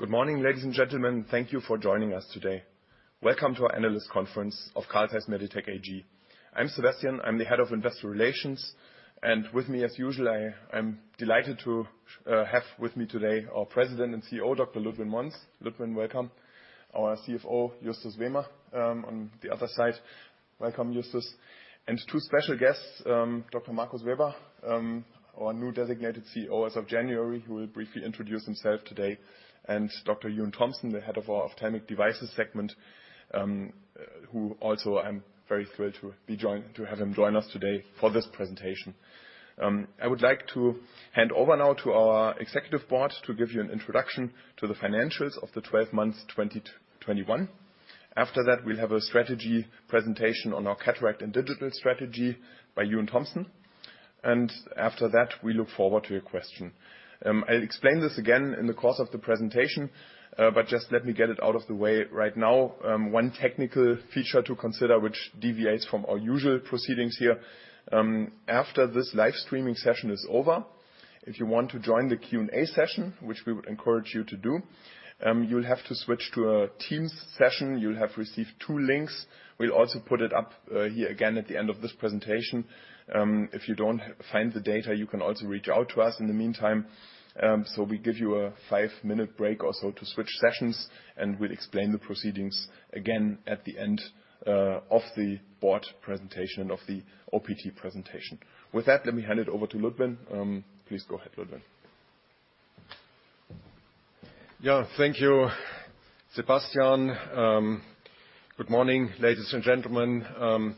Good morning, ladies and gentlemen. Thank you for joining us today. Welcome to our Analyst Conference of Carl Zeiss Meditec AG. I'm Sebastian, I'm the head of investor relations, and with me, as usual, I'm delighted to have with me today our President and CEO, Dr. Ludwin Monz. Ludwin, welcome. Our CFO, Justus Wehmer, on the other side. Welcome, Justus. And two special guests, Dr. Markus Weber, our new designated CEO as of January, who will briefly introduce himself today, and Dr. Euan Thomson, the head of our Ophthalmic Devices segment, who also, I'm very thrilled to have him join us today for this presentation. I would like to hand over now to our executive board to give you an introduction to the financials of the 12 months 2021. After that, we'll have a strategy presentation on our cataract and digital strategy by Euan Thomson. After that, we look forward to your question. I'll explain this again in the course of the presentation, but just let me get it out of the way right now. One technical feature to consider which deviates from our usual proceedings here, after this live streaming session is over, if you want to join the Q&A session, which we would encourage you to do, you'll have to switch to a Teams session. You'll have received two links. We'll also put it up here again at the end of this presentation. If you don't find the data, you can also reach out to us in the meantime. We give you a five-minute break or so to switch sessions, and we'll explain the proceedings again at the end of the board presentation and of the OPT presentation. With that, let me hand it over to Ludwin. Please go ahead, Ludwin. Yeah. Thank you, Sebastian. Good morning, ladies and gentlemen.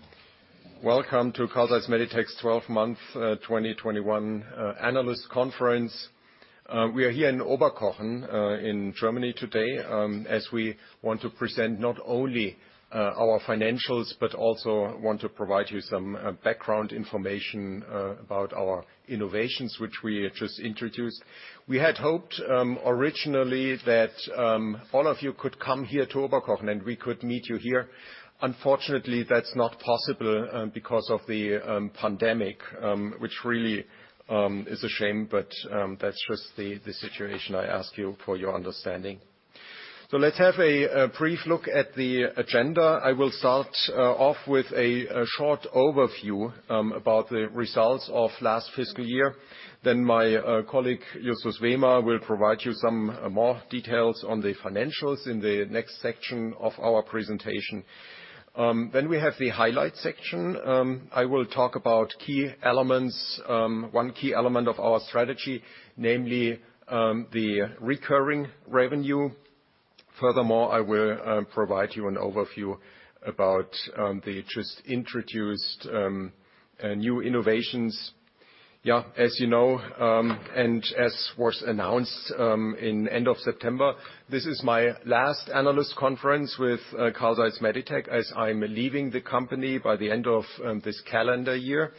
Welcome to Carl Zeiss Meditec's 12-month 2021 Analyst Conference. We are here in Oberkochen, in Germany today, as we want to present not only our financials, but also want to provide you some background information about our innovations which we just introduced. We had hoped, originally that all of you could come here to Oberkochen, and we could meet you here. Unfortunately, that's not possible, because of the pandemic, which really is a shame, but that's just the situation. I ask you for your understanding. Let's have a brief look at the agenda. I will start off with a short overview about the results of last fiscal year. My colleague, Justus Wehmer, will provide you some more details on the financials in the next section of our presentation. We have the highlight section. I will talk about key elements, one key element of our strategy, namely, the recurring revenue. Furthermore, I will provide you an overview about the just introduced new innovations. Yeah, as you know, and as was announced, at the end of September, this is my last analyst conference with Carl Zeiss Meditec as I'm leaving the company by the end of this calendar year.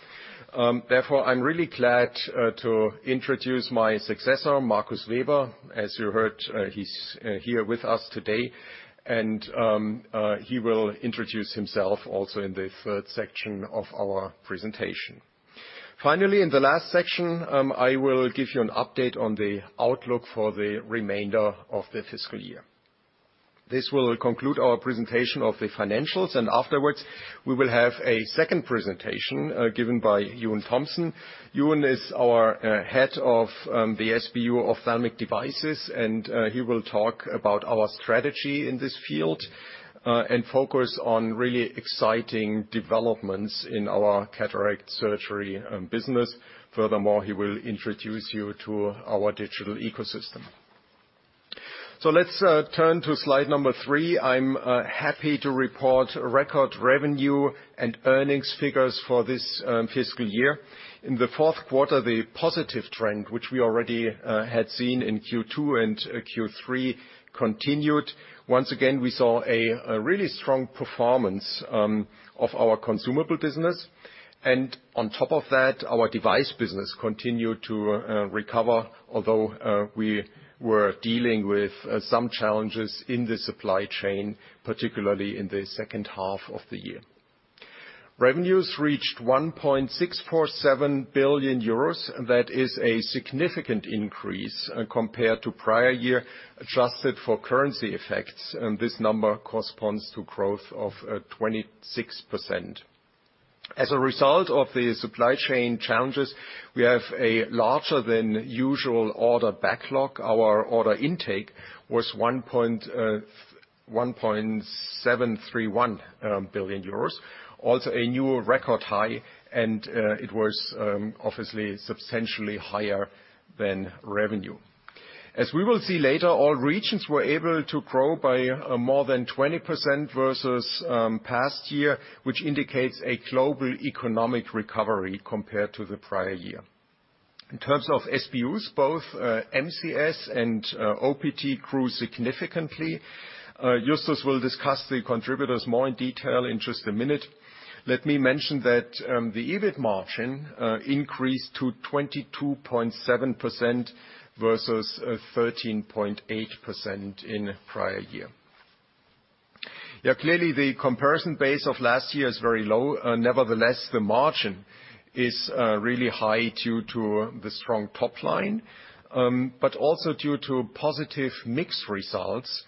Therefore, I'm really glad to introduce my successor, Markus Weber. As you heard, he's here with us today and he will introduce himself also in the third section of our presentation. Finally, in the last section, I will give you an update on the outlook for the remainder of the fiscal year. This will conclude our presentation of the financials, and afterwards, we will have a second presentation given by Euan Thomson. Euan is our head of the SBU Ophthalmic Devices, and he will talk about our strategy in this field and focus on really exciting developments in our cataract surgery business. Furthermore, he will introduce you to our digital ecosystem. Let's turn to slide number three. I'm happy to report record revenue and earnings figures for this fiscal year. In the fourth quarter, the positive trend, which we already had seen in Q2 and Q3, continued. Once again, we saw a really strong performance of our consumable business. On top of that, our device business continued to recover, although we were dealing with some challenges in the supply chain, particularly in the second half of the year. Revenues reached 1.647 billion euros. That is a significant increase compared to prior year. Adjusted for currency effects, this number corresponds to growth of 26%. As a result of the supply chain challenges, we have a larger than usual order backlog. Our order intake was 1.731 billion euros. Also a new record high and it was obviously substantially higher than revenue. As we will see later, all regions were able to grow by more than 20% versus past year, which indicates a global economic recovery compared to the prior year. In terms of SBUs, both MCS and OPT grew significantly. Justus will discuss the contributors more in detail in just a minute. Let me mention that the EBIT margin increased to 22.7% versus 13.8% in prior year. Yeah, clearly the comparison base of last year is very low. Nevertheless, the margin is really high due to the strong top line. But also due to positive mix results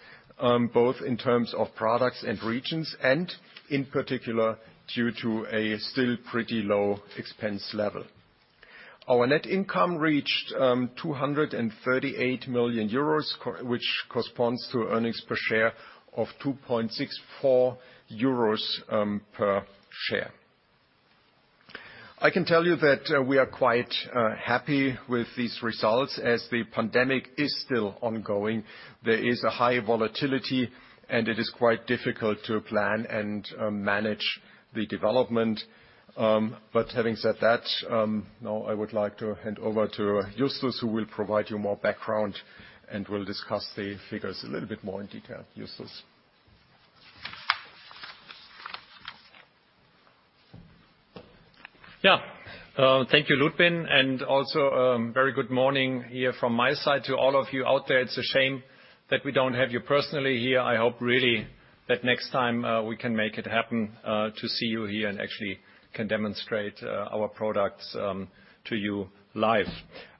both in terms of products and regions, and in particular due to a still pretty low expense level. Our net income reached 238 million euros which corresponds to earnings per share of 2.64 euros per share. I can tell you that we are quite happy with these results as the pandemic is still ongoing. There is a high volatility, and it is quite difficult to plan and manage the development. Having said that, now I would like to hand over to Justus, who will provide you more background and will discuss the figures a little bit more in detail. Justus. Yeah. Thank you, Ludwin, and also, very good morning here from my side to all of you out there. It's a shame that we don't have you personally here. I hope really that next time, we can make it happen, to see you here and actually can demonstrate, our products, to you live.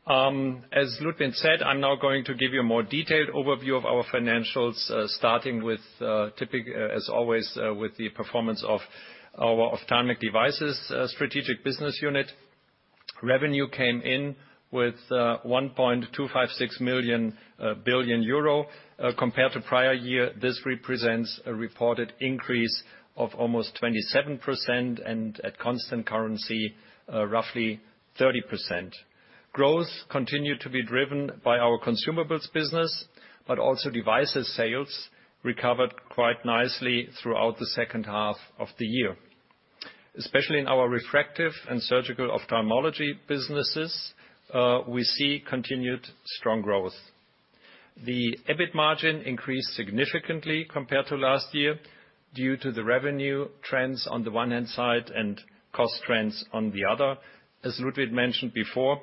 As Ludwin said, I'm now going to give you a more detailed overview of our financials, starting with, typical, as always, with the performance of our Ophthalmic Devices strategic business unit. Revenue came in with 1.256 billion euro. Compared to prior year, this represents a reported increase of almost 27%, and at constant currency, roughly 30%. Growth continued to be driven by our consumables business, but also devices sales recovered quite nicely throughout the second half of the year. Especially in our refractive and surgical ophthalmology businesses, we see continued strong growth. The EBIT margin increased significantly compared to last year due to the revenue trends on the one hand side and cost trends on the other. As Ludwin mentioned before,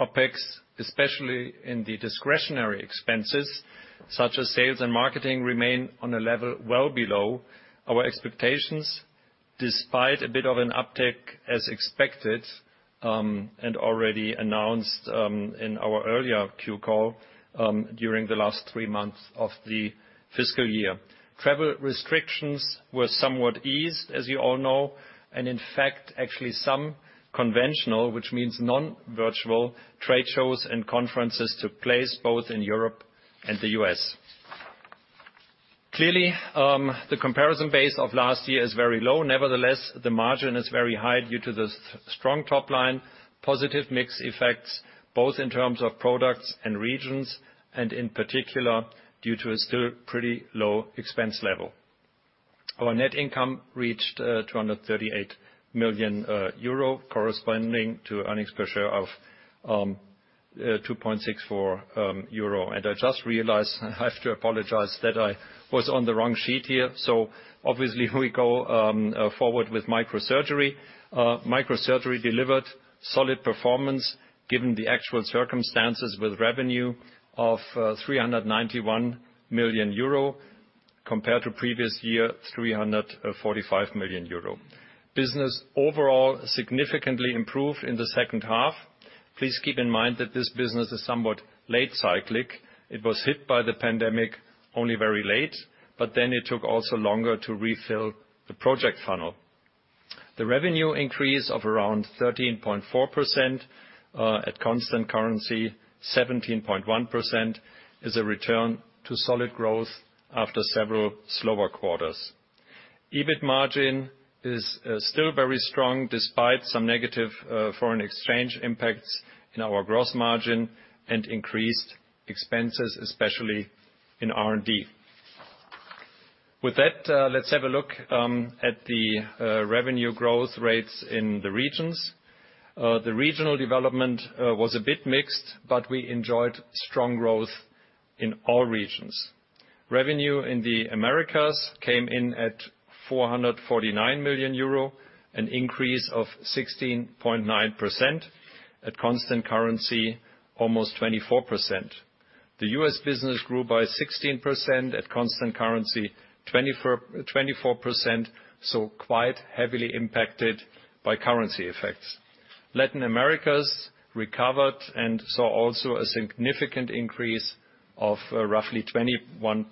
OpEx, especially in the discretionary expenses, such as sales and marketing, remain on a level well below our expectations, despite a bit of an uptick as expected, and already announced, in our earlier Q call, during the last three months of the fiscal year. Travel restrictions were somewhat eased, as you all know, and in fact, actually some conventional, which means non-virtual trade shows and conferences took place both in Europe and the U.S. Clearly, the comparison base of last year is very low. Nevertheless, the margin is very high due to the strong top line, positive mix effects, both in terms of products and regions, and in particular, due to a still pretty low expense level. Our net income reached 238 million euro, corresponding to earnings per share of 2.64 euro. I just realized I have to apologize that I was on the wrong sheet here. Obviously we go forward with microsurgery. Microsurgery delivered solid performance given the actual circumstances with revenue of 391 million euro compared to previous year, 345 million euro. Business overall significantly improved in the second half. Please keep in mind that this business is somewhat late-cycle. It was hit by the pandemic only very late, but then it took also longer to refill the project funnel. The revenue increase of around 13.4%, at constant currency, 17.1%, is a return to solid growth after several slower quarters. EBIT margin is still very strong, despite some negative foreign exchange impacts in our gross margin and increased expenses, especially in R&D. With that, let's have a look at the revenue growth rates in the regions. The regional development was a bit mixed, but we enjoyed strong growth in all regions. Revenue in the Americas came in at 449 million euro, an increase of 16.9%, at constant currency, almost 24%. The U.S. business grew by 16%, at constant currency, 24%, so quite heavily impacted by currency effects. Latin America recovered and saw also a significant increase of roughly 21%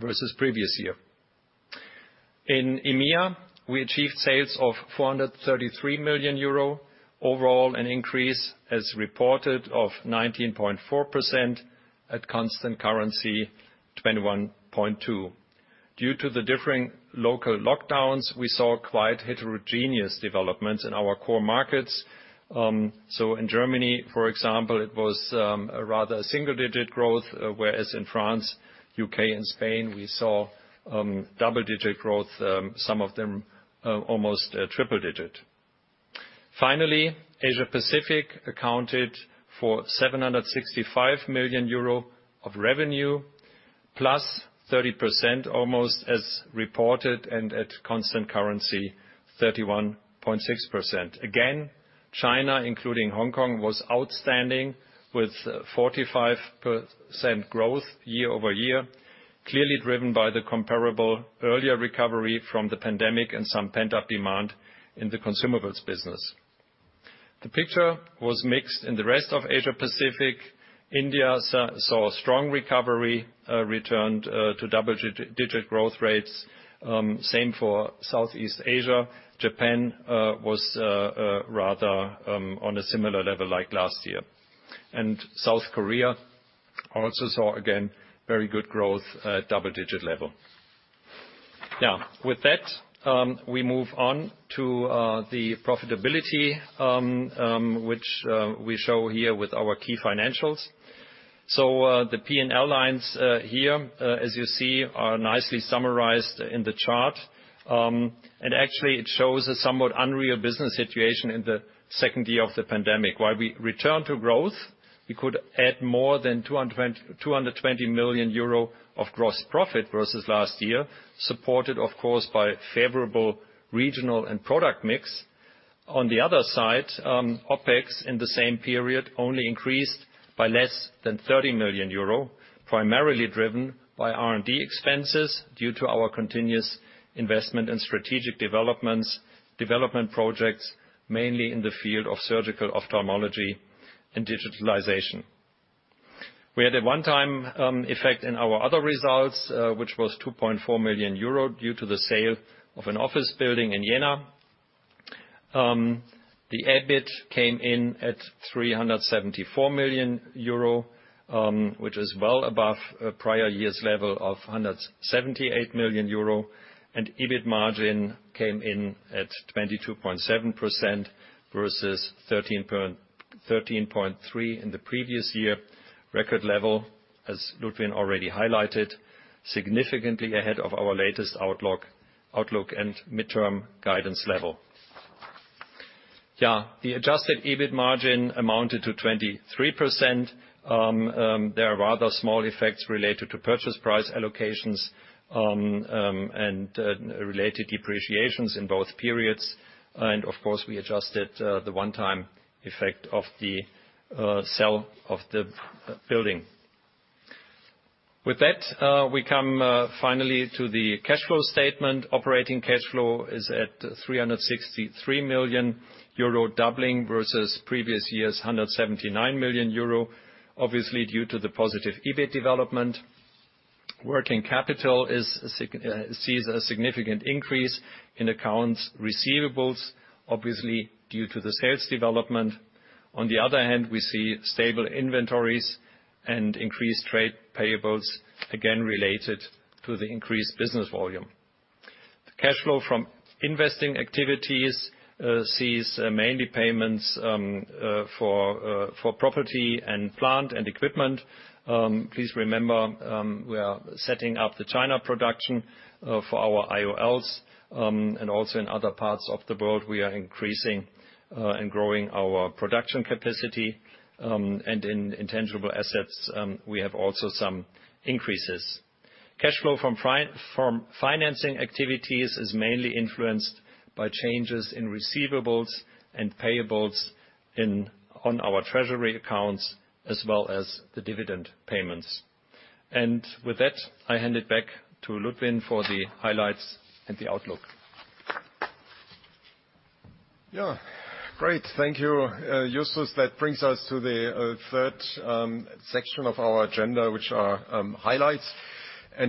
versus previous year. In EMEA, we achieved sales of 433 million euro. Overall, an increase as reported of 19.4%, at constant currency, 21.2%. Due to the differing local lockdowns, we saw quite heterogeneous developments in our core markets. In Germany, for example, it was a rather single-digit growth, whereas in France, U.K., and Spain, we saw double-digit growth, some of them almost triple digit. Finally, Asia Pacific accounted for 765 million euro of revenue, +30% almost as reported, and at constant currency, 31.6%. Again, China, including Hong Kong, was outstanding with 45% growth year-over-year. Clearly driven by the comparable earlier recovery from the pandemic and some pent-up demand in the consumables business. The picture was mixed in the rest of Asia Pacific. India saw a strong recovery, returned to double-digit growth rates. Same for Southeast Asia. Japan was rather on a similar level like last year. South Korea also saw again very good growth at double-digit level. Now, with that, we move on to the profitability, which we show here with our key financials. The P&L lines here, as you see, are nicely summarized in the chart. Actually it shows a somewhat unreal business situation in the second year of the pandemic. While we return to growth, we could add more than 220 million euro of gross profit versus last year, supported of course by favorable regional and product mix. On the other side, OpEx in the same period only increased by less than 30 million euro, primarily driven by R&D expenses due to our continuous investment in strategic developments, development projects, mainly in the field of surgical ophthalmology and digitalization. We had a one-time effect in our other results, which was 2.4 million euro due to the sale of an office building in Jena. The EBIT came in at 374 million euro, which is well above prior year's level of 178 million euro. EBIT margin came in at 22.7% versus 13.3% in the previous year. Record level, as Ludwin already highlighted, significantly ahead of our latest outlook and midterm guidance level. The adjusted EBIT margin amounted to 23%. There are rather small effects related to purchase price allocations and related depreciations in both periods. Of course, we adjusted the one-time effect of the sale of the B-building. With that, we come finally to the cash flow statement. Operating cash flow is at 363 million euro, doubling versus previous year's 179 million euro, obviously due to the positive EBIT development. Working capital sees a significant increase in accounts receivables, obviously due to the sales development. On the other hand, we see stable inventories and increased trade payables, again related to the increased business volume. The cash flow from investing activities sees mainly payments for property and plant and equipment. Please remember, we are setting up the China production for our IOLs, and also in other parts of the world, we are increasing and growing our production capacity. In intangible assets, we have also some increases. Cash flow from financing activities is mainly influenced by changes in receivables and payables in on our treasury accounts, as well as the dividend payments. With that, I hand it back to Ludwin for the highlights and the outlook. Yeah. Great. Thank you, Justus. That brings us to the third section of our agenda, which are highlights.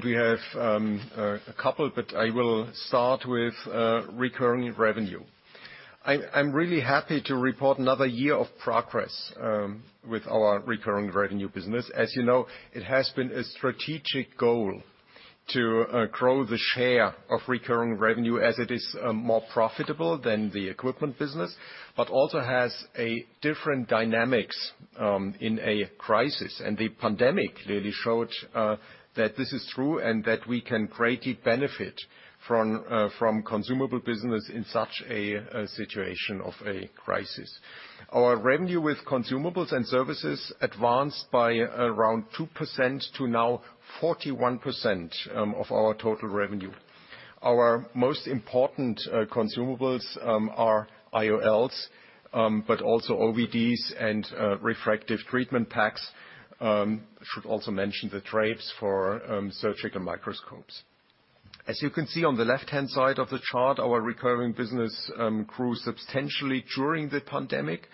We have a couple, but I will start with recurring revenue. I'm really happy to report another year of progress with our recurring revenue business. As you know, it has been a strategic goal to grow the share of recurring revenue as it is more profitable than the equipment business, but also has a different dynamics in a crisis. The pandemic really showed that this is true and that we can greatly benefit from consumable business in such a situation of a crisis. Our revenue with consumables and services advanced by around 2% to now 41% of our total revenue. Our most important consumables are IOLs, but also OVDs and refractive treatment packs. Should also mention the drapes for surgical microscopes. As you can see on the left-hand side of the chart, our recurring business grew substantially during the pandemic,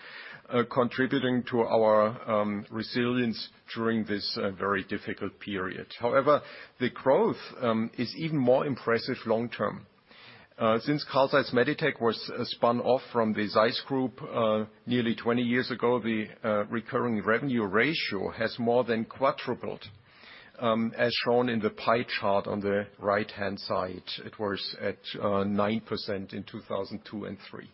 contributing to our resilience during this very difficult period. However, the growth is even more impressive long term. Since Carl Zeiss Meditec was spun off from the ZEISS Group nearly 20 years ago, the recurring revenue ratio has more than quadrupled, as shown in the pie chart on the right-hand side. It was at 9% in 2002 and 2003.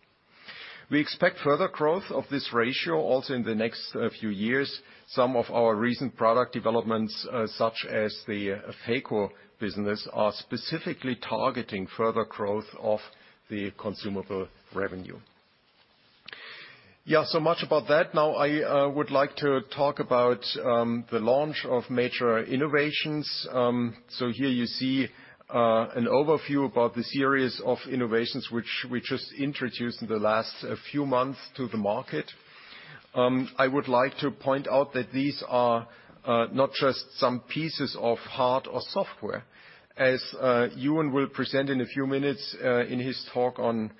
We expect further growth of this ratio also in the next few years. Some of our recent product developments, such as the phaco business, are specifically targeting further growth of the consumable revenue. Yeah, so much about that. Now I would like to talk about the launch of major innovations. So here you see an overview about the series of innovations which we just introduced in the last few months to the market. I would like to point out that these are not just some pieces of hardware or software. As Euan will present in a few minutes in his talk on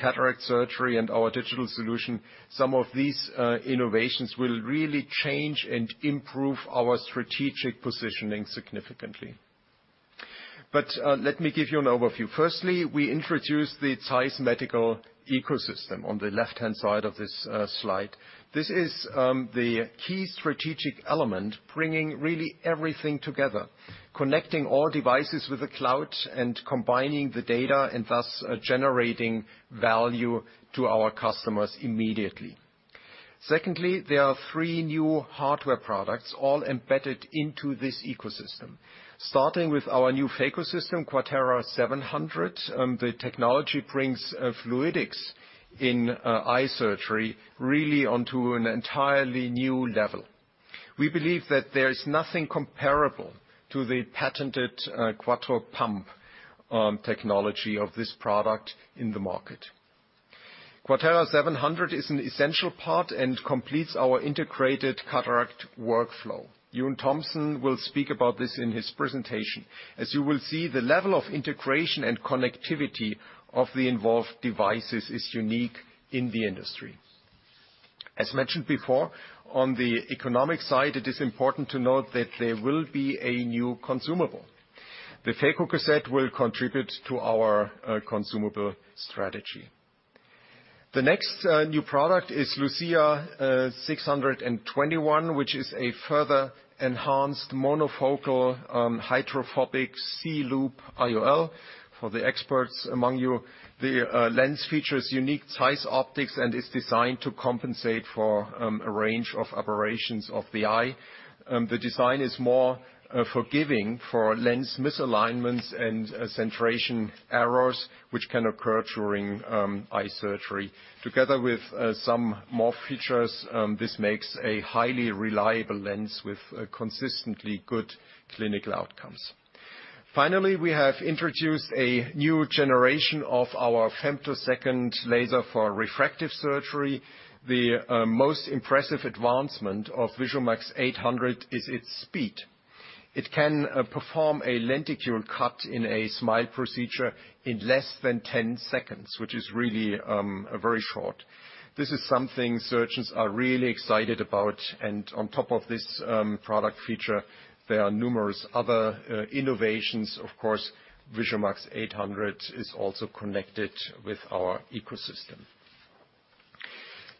cataract surgery and our digital solution, some of these innovations will really change and improve our strategic positioning significantly. Let me give you an overview. Firstly, we introduced the ZEISS Medical Ecosystem on the left-hand side of this slide. This is the key strategic element, bringing really everything together, connecting all devices with the cloud and combining the data, and thus generating value to our customers immediately. Secondly, there are three new hardware products all embedded into this ecosystem. Starting with our new phaco system, QUATERA 700, the technology brings fluidics in eye surgery really onto an entirely new level. We believe that there is nothing comparable to the patented QUATTRO pump technology of this product in the market. QUATERA 700 is an essential part and completes our integrated cataract workflow. Euan Thomson will speak about this in his presentation. As you will see, the level of integration and connectivity of the involved devices is unique in the industry. As mentioned before, on the economic side, it is important to note that there will be a new consumable. The phaco cassette will contribute to our consumable strategy. The next new product is CT LUCIA 621, which is a further enhanced monofocal hydrophobic C-loop IOL. For the experts among you, the lens features unique ZEISS optics and is designed to compensate for a range of aberrations of the eye. The design is more forgiving for lens misalignments and centration errors which can occur during eye surgery. Together with some more features, this makes a highly reliable lens with consistently good clinical outcomes. Finally, we have introduced a new generation of our femtosecond laser for refractive surgery. The most impressive advancement of VISUMAX 800 is its speed. It can perform a lenticule cut in a SMILE procedure in less than 10 seconds, which is really very short. This is something surgeons are really excited about. On top of this product feature, there are numerous other innovations. Of course, VISUMAX 800 is also connected with our ecosystem.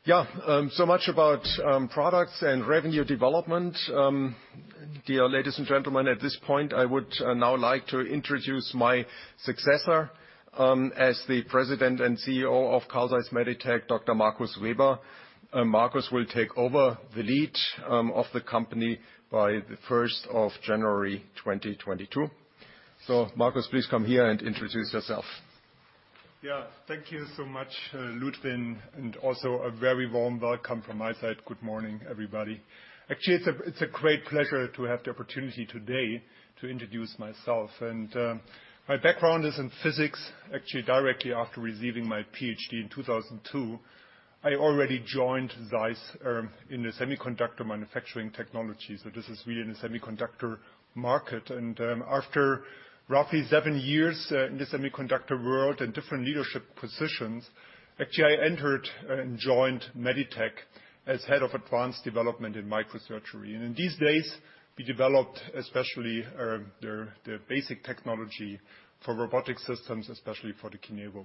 So much about products and revenue development. Dear ladies and gentlemen, at this point, I would now like to introduce my successor as the President and CEO of Carl Zeiss Meditec, Dr. Markus Weber. Markus will take over the lead of the company by the first of January 2022. Markus, please come here and introduce yourself. Yeah, thank you so much, Ludwin, and also a very warm welcome from my side. Good morning, everybody. Actually, it's a great pleasure to have the opportunity today to introduce myself. My background is in physics. Actually, directly after receiving my PhD in 2002, I already joined ZEISS in the semiconductor manufacturing technology. This is really in the semiconductor market. After roughly seven years in the semiconductor world and different leadership positions, actually, I entered and joined Meditec as head of advanced development in microsurgery. In these days, we developed especially the basic technology for robotic systems, especially for the KINEVO.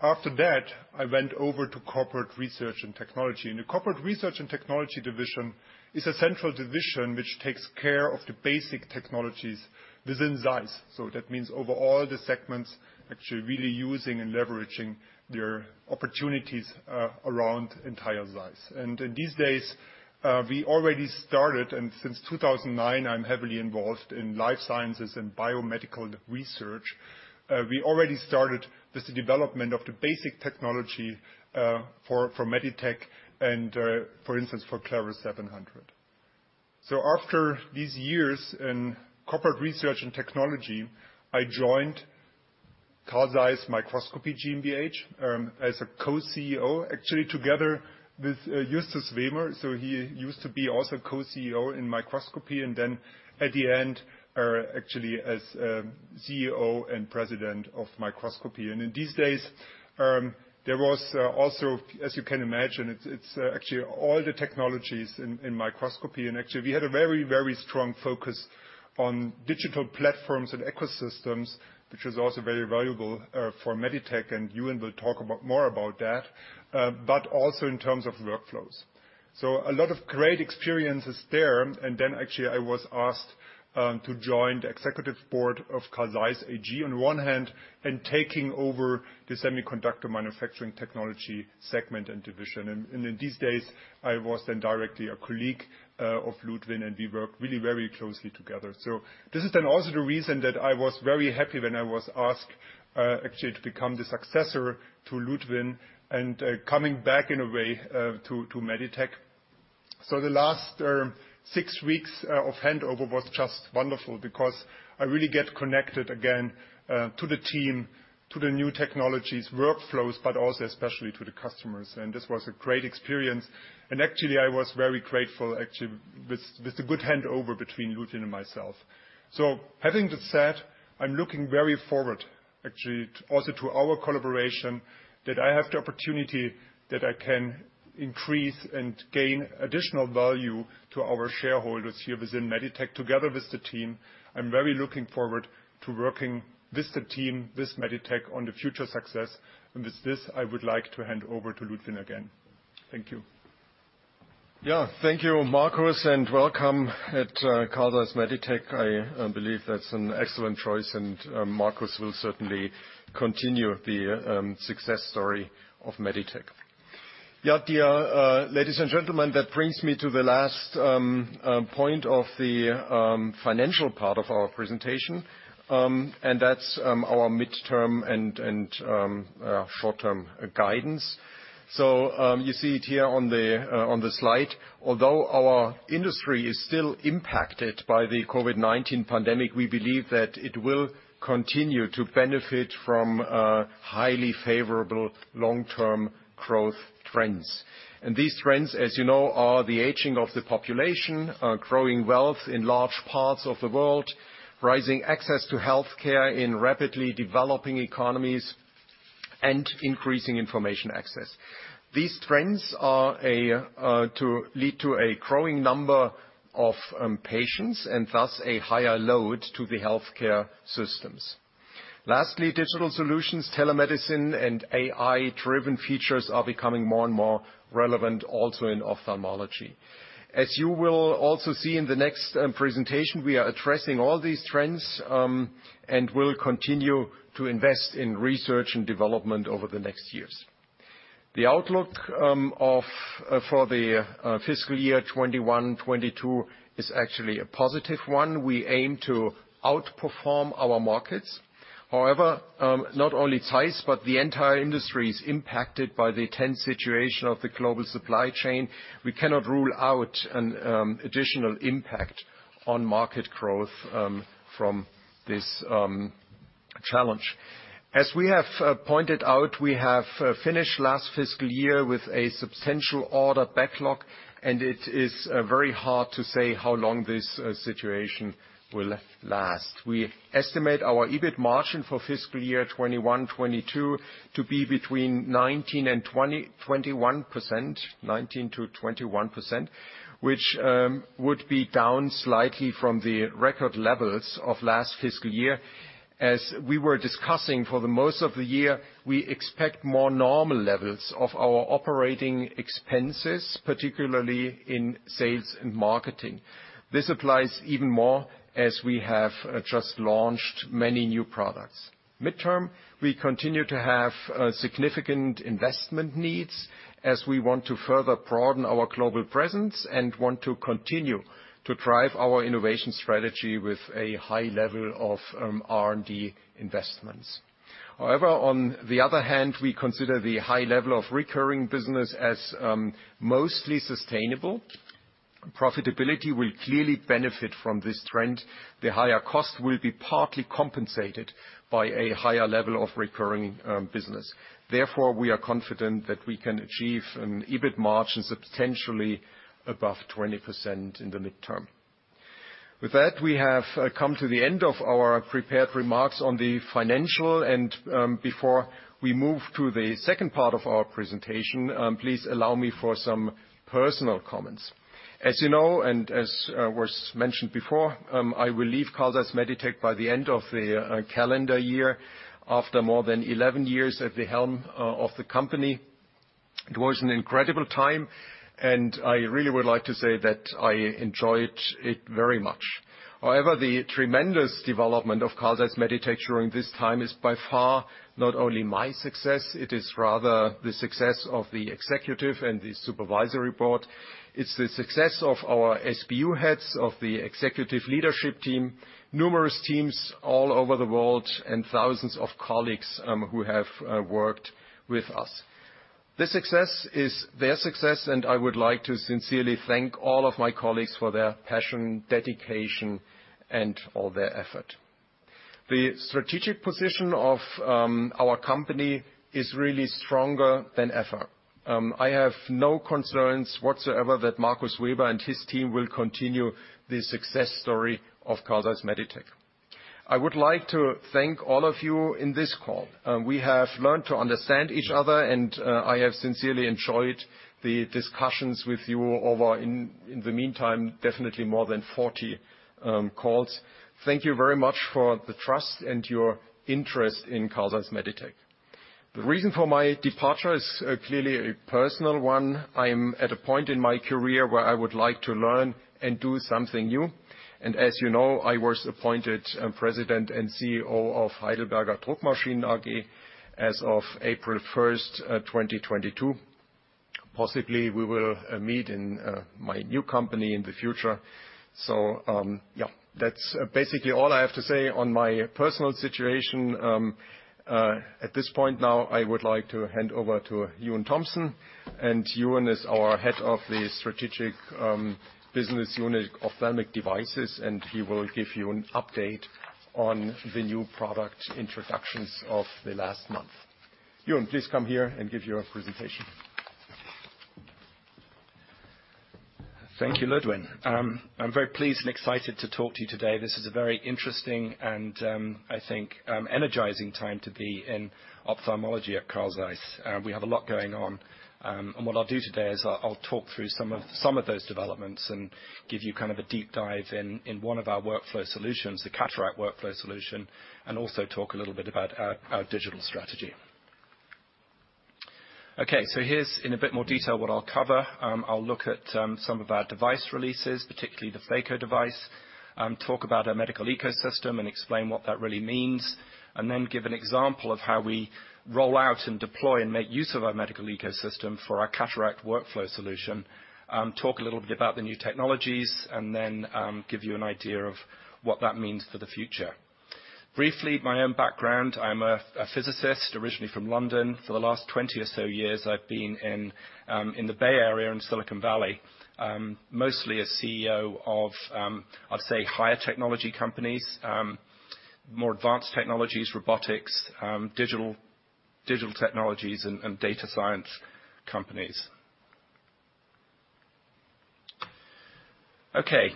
After that, I went over to corporate research and technology. The corporate research and technology division is a central division which takes care of the basic technologies within ZEISS. That means overall the segments, actually really using and leveraging their opportunities around entire ZEISS. In these days, we already started, and since 2009, I'm heavily involved in life sciences and biomedical research. We already started this development of the basic technology for Meditec and, for instance, for CLARUS 700. After these years in corporate research and technology, I joined Carl Zeiss Microscopy GmbH as a co-CEO, actually together with Justus Wehmer. He used to be also co-CEO in microscopy, and then at the end, actually as CEO and president of microscopy. In these days, there was also, as you can imagine, it's actually all the technologies in microscopy. Actually, we had a very, very strong focus on digital platforms and ecosystems, which was also very valuable for Meditec, and Euan will talk about more about that, but also in terms of workflows. A lot of great experiences there. Actually, I was asked to join the executive board of Carl Zeiss AG on one hand and taking over the semiconductor manufacturing technology segment and division. In these days, I was then directly a colleague of Ludwin, and we worked really very closely together. This is then also the reason that I was very happy when I was asked, actually to become the successor to Ludwin and, coming back in a way, to Meditec. The last six weeks of handover was just wonderful because I really get connected again to the team, to the new technologies, workflows, but also especially to the customers. This was a great experience, and actually, I was very grateful, actually, with the good handover between Ludwin and myself. Having that said, I'm looking very forward, actually, also to our collaboration, that I have the opportunity that I can increase and gain additional value to our shareholders here within Meditec together with the team. I'm very looking forward to working with the team, with Meditec on the future success. With this, I would like to hand over to Ludwin again. Thank you. Yeah. Thank you, Markus, and welcome to Carl Zeiss Meditec. I believe that's an excellent choice, and Markus will certainly continue the success story of Meditec. Yeah, dear ladies and gentlemen, that brings me to the last point of the financial part of our presentation, and that's our midterm and short-term guidance. You see it here on the slide. Although our industry is still impacted by the COVID-19 pandemic, we believe that it will continue to benefit from highly favorable long-term growth trends. These trends, as you know, are the aging of the population, growing wealth in large parts of the world, rising access to healthcare in rapidly developing economies, and increasing information access. These trends are to lead to a growing number of patients, and thus a higher load to the healthcare systems. Lastly, digital solutions, telemedicine, and AI-driven features are becoming more and more relevant also in ophthalmology. As you will also see in the next presentation, we are addressing all these trends and will continue to invest in research and development over the next years. The outlook for the fiscal year 2021-2022 is actually a positive one. We aim to outperform our markets. However, not only ZEISS, but the entire industry is impacted by the tense situation of the global supply chain. We cannot rule out an additional impact on market growth from this challenge. As we have pointed out, we have finished last fiscal year with a substantial order backlog, and it is very hard to say how long this situation will last. We estimate our EBIT margin for fiscal year 2021-2022 to be between 19% and 21%, which would be down slightly from the record levels of last fiscal year. As we were discussing, for most of the year, we expect more normal levels of our operating expenses, particularly in sales and marketing. This applies even more as we have just launched many new products. Midterm, we continue to have significant investment needs as we want to further broaden our global presence and want to continue to drive our innovation strategy with a high level of R&D investments. However, on the other hand, we consider the high level of recurring business as mostly sustainable. Profitability will clearly benefit from this trend. The higher cost will be partly compensated by a higher level of recurring business. Therefore, we are confident that we can achieve an EBIT margin substantially above 20% in the midterm. With that, we have come to the end of our prepared remarks on the financials. Before we move to the second part of our presentation, please allow me to make some personal comments. As you know, and as was mentioned before, I will leave Carl Zeiss Meditec by the end of the calendar year after more than 11 years at the helm of the company. It was an incredible time, and I really would like to say that I enjoyed it very much. However, the tremendous development of Carl Zeiss Meditec during this time is by far not only my success, it is rather the success of the executive and the supervisory board. It's the success of our SBU heads, of the executive leadership team, numerous teams all over the world, and thousands of colleagues who have worked with us. The success is their success, and I would like to sincerely thank all of my colleagues for their passion, dedication, and all their effort. The strategic position of our company is really stronger than ever. I have no concerns whatsoever that Markus Weber and his team will continue the success story of Carl Zeiss Meditec. I would like to thank all of you in this call. We have learned to understand each other, and I have sincerely enjoyed the discussions with you over in the meantime, definitely more than 40 calls. Thank you very much for the trust and your interest in Carl Zeiss Meditec. The reason for my departure is clearly a personal one. I'm at a point in my career where I would like to learn and do something new. As you know, I was appointed President and CEO of Heidelberger Druckmaschinen AG as of April 1, 2022. Possibly, we will meet in my new company in the future. Yeah, that's basically all I have to say on my personal situation. At this point now, I would like to hand over to Euan Thomson. Euan is our head of the strategic business unit, Ophthalmic Devices, and he will give you an update on the new product introductions of the last month. Euan, please come here and give your presentation. Thank you, Ludwin. I'm very pleased and excited to talk to you today. This is a very interesting and, I think, energizing time to be in ophthalmology at Carl Zeiss. We have a lot going on. And what I'll do today is I'll talk through some of those developments and give you kind of a deep dive in one of our workflow solutions, the cataract workflow solution, and also talk a little bit about our digital strategy. Okay. Here's in a bit more detail what I'll cover. I'll look at some of our device releases, particularly the phaco device, talk about our Medical Ecosystem and explain what that really means, and then give an example of how we roll out and deploy and make use of our Medical Ecosystem for our cataract workflow solution, talk a little bit about the new technologies, and then give you an idea of what that means for the future. Briefly, my own background, I'm a physicist, originally from London. For the last 20 or so years, I've been in the Bay Area in Silicon Valley, mostly as CEO of, I'd say higher technology companies, more advanced technologies, robotics, digital technologies and data science companies. Okay.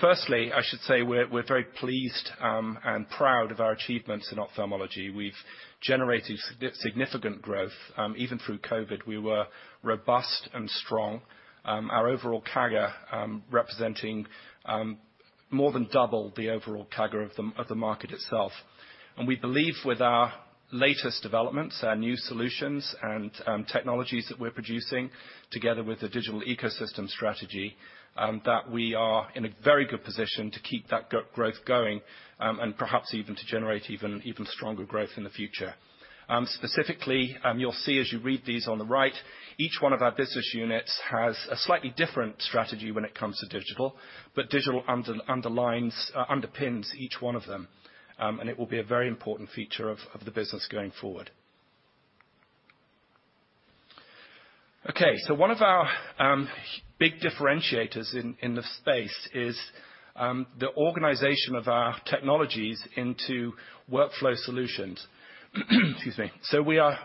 Firstly, I should say we're very pleased and proud of our achievements in ophthalmology. We've generated significant growth, even through COVID. We were robust and strong. Our overall CAGR representing more than double the overall CAGR of the market itself. We believe with our latest developments, our new solutions and technologies that we're producing together with the digital ecosystem strategy that we are in a very good position to keep that growth going and perhaps even to generate even stronger growth in the future. Specifically, you'll see as you read these on the right, each one of our business units has a slightly different strategy when it comes to digital, but digital underpins each one of them. It will be a very important feature of the business going forward. Okay. One of our big differentiators in the space is the organization of our technologies into workflow solutions. Excuse me. We are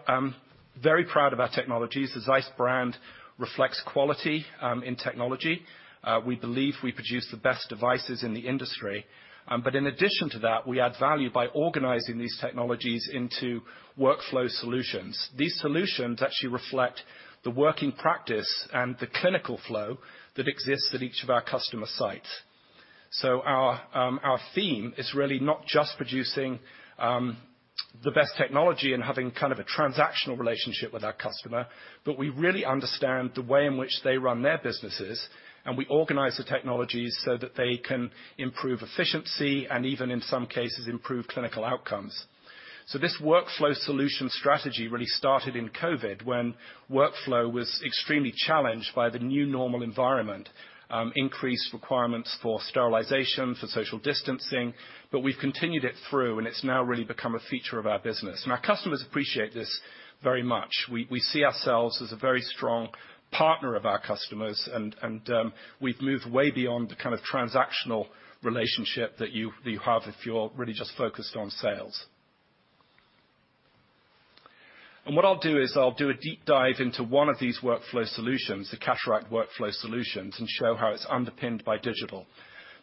very proud of our technologies. The ZEISS brand reflects quality in technology. We believe we produce the best devices in the industry. In addition to that, we add value by organizing these technologies into workflow solutions. These solutions actually reflect the working practice and the clinical flow that exists at each of our customer sites. Our theme is really not just producing the best technology and having kind of a transactional relationship with our customer, but we really understand the way in which they run their businesses, and we organize the technologies so that they can improve efficiency and even in some cases, improve clinical outcomes. This workflow solution strategy really started in COVID, when workflow was extremely challenged by the new normal environment, increased requirements for sterilization, for social distancing, but we've continued it through, and it's now really become a feature of our business. Our customers appreciate this very much. We see ourselves as a very strong partner of our customers and we've moved way beyond the kind of transactional relationship that you have if you're really just focused on sales. What I'll do is I'll do a deep dive into one of these workflow solutions, the cataract workflow solutions, and show how it's underpinned by digital.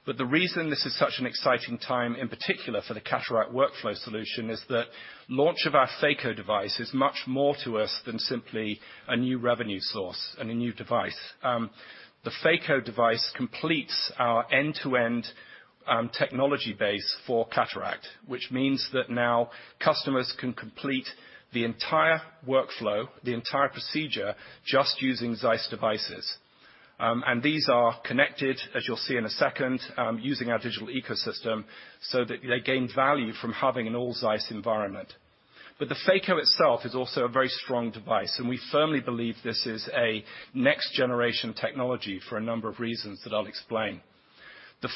The reason this is such an exciting time, in particular for the cataract workflow solution, is the launch of our phaco device is much more to us than simply a new revenue source and a new device. The phaco device completes our end-to-end technology base for cataract, which means that now customers can complete the entire workflow, the entire procedure, just using ZEISS devices. These are connected, as you'll see in a second, using our digital ecosystem, so that they gain value from having an all ZEISS environment. The phaco itself is also a very strong device, and we firmly believe this is a next-generation technology for a number of reasons that I'll explain. The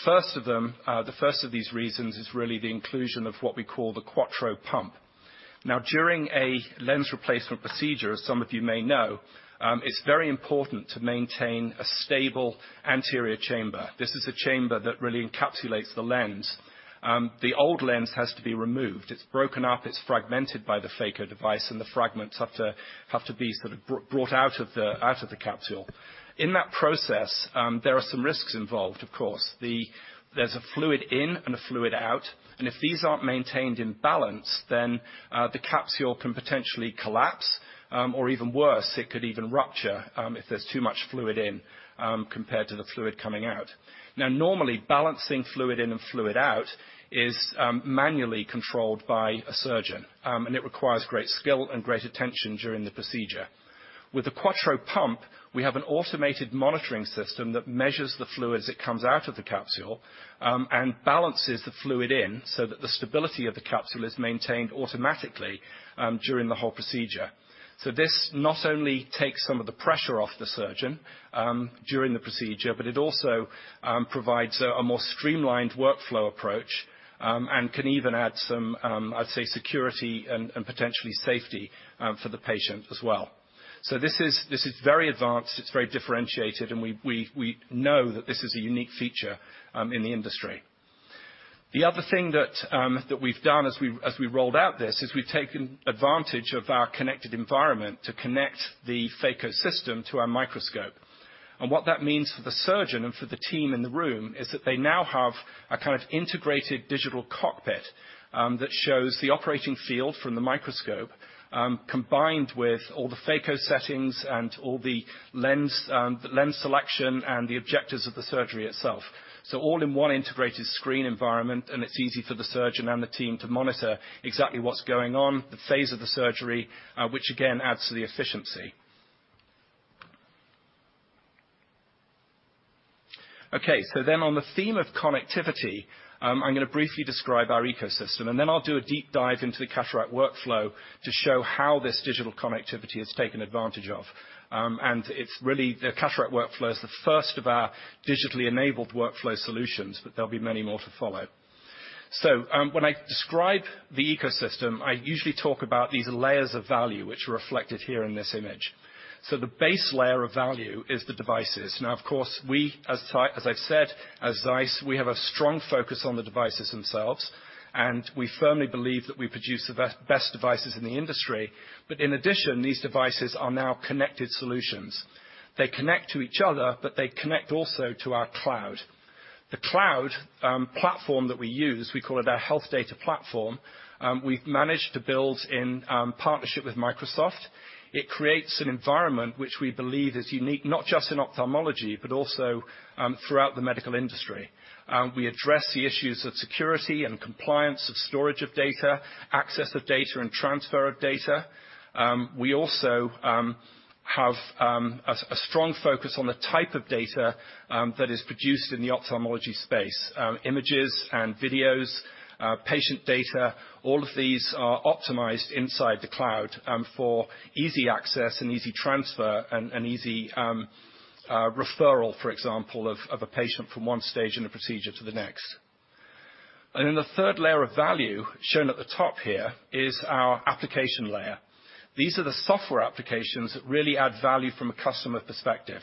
first of these reasons is really the inclusion of what we call the QUATTRO pump. Now, during a lens replacement procedure, as some of you may know, it's very important to maintain a stable anterior chamber. This is a chamber that really encapsulates the lens. The old lens has to be removed. It's broken up, it's fragmented by the phaco device, and the fragments have to be sort of brought out of the capsule. In that process, there are some risks involved, of course. There's a fluid in and a fluid out, and if these aren't maintained in balance, then the capsule can potentially collapse, or even worse, it could even rupture, if there's too much fluid in compared to the fluid coming out. Now, normally, balancing fluid in and fluid out is manually controlled by a surgeon, and it requires great skill and great attention during the procedure. With the QUATTRO pump, we have an automated monitoring system that measures the fluid as it comes out of the capsule, and balances the fluid in so that the stability of the capsule is maintained automatically, during the whole procedure. This not only takes some of the pressure off the surgeon, during the procedure, but it also provides a more streamlined workflow approach, and can even add some, I'd say security and potentially safety, for the patient as well. This is very advanced, it's very differentiated, and we know that this is a unique feature, in the industry. The other thing that we've done as we rolled out this is we've taken advantage of our connected environment to connect the phaco system to our microscope. What that means for the surgeon and for the team in the room is that they now have a kind of integrated digital cockpit, that shows the operating field from the microscope, combined with all the phaco settings and all the lens selection and the objectives of the surgery itself. All in one integrated screen environment, and it's easy for the surgeon and the team to monitor exactly what's going on, the phase of the surgery, which again adds to the efficiency. Okay. On the theme of connectivity, I'm gonna briefly describe our ecosystem, and then I'll do a deep dive into the cataract workflow to show how this digital connectivity is taken advantage of. The cataract workflow is the first of our digitally enabled workflow solutions, but there'll be many more to follow. When I describe the ecosystem, I usually talk about these layers of value which are reflected here in this image. The base layer of value is the devices. Of course, as I said, as ZEISS, we have a strong focus on the devices themselves, and we firmly believe that we produce the best devices in the industry. In addition, these devices are now connected solutions. They connect to each other, but they connect also to our cloud. The cloud platform that we use, we call it our Health Data Platform. We've managed to build in partnership with Microsoft. It creates an environment which we believe is unique, not just in ophthalmology, but also throughout the medical industry. We address the issues of security and compliance of storage of data, access of data, and transfer of data. We also have a strong focus on the type of data that is produced in the ophthalmology space. Images and videos, patient data, all of these are optimized inside the cloud for easy access and easy transfer and easy referral, for example, of a patient from one stage in a procedure to the next. Then the third layer of value, shown at the top here, is our application layer. These are the software applications that really add value from a customer perspective.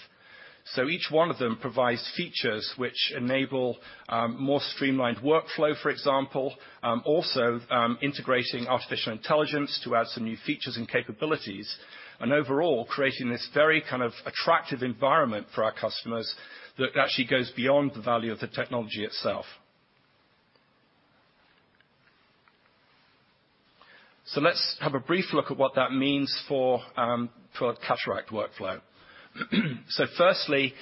Each one of them provides features which enable more streamlined workflow, for example, also integrating artificial intelligence to add some new features and capabilities, and overall, creating this very kind of attractive environment for our customers that actually goes beyond the value of the technology itself. Let's have a brief look at what that means for a cataract workflow. Firstly,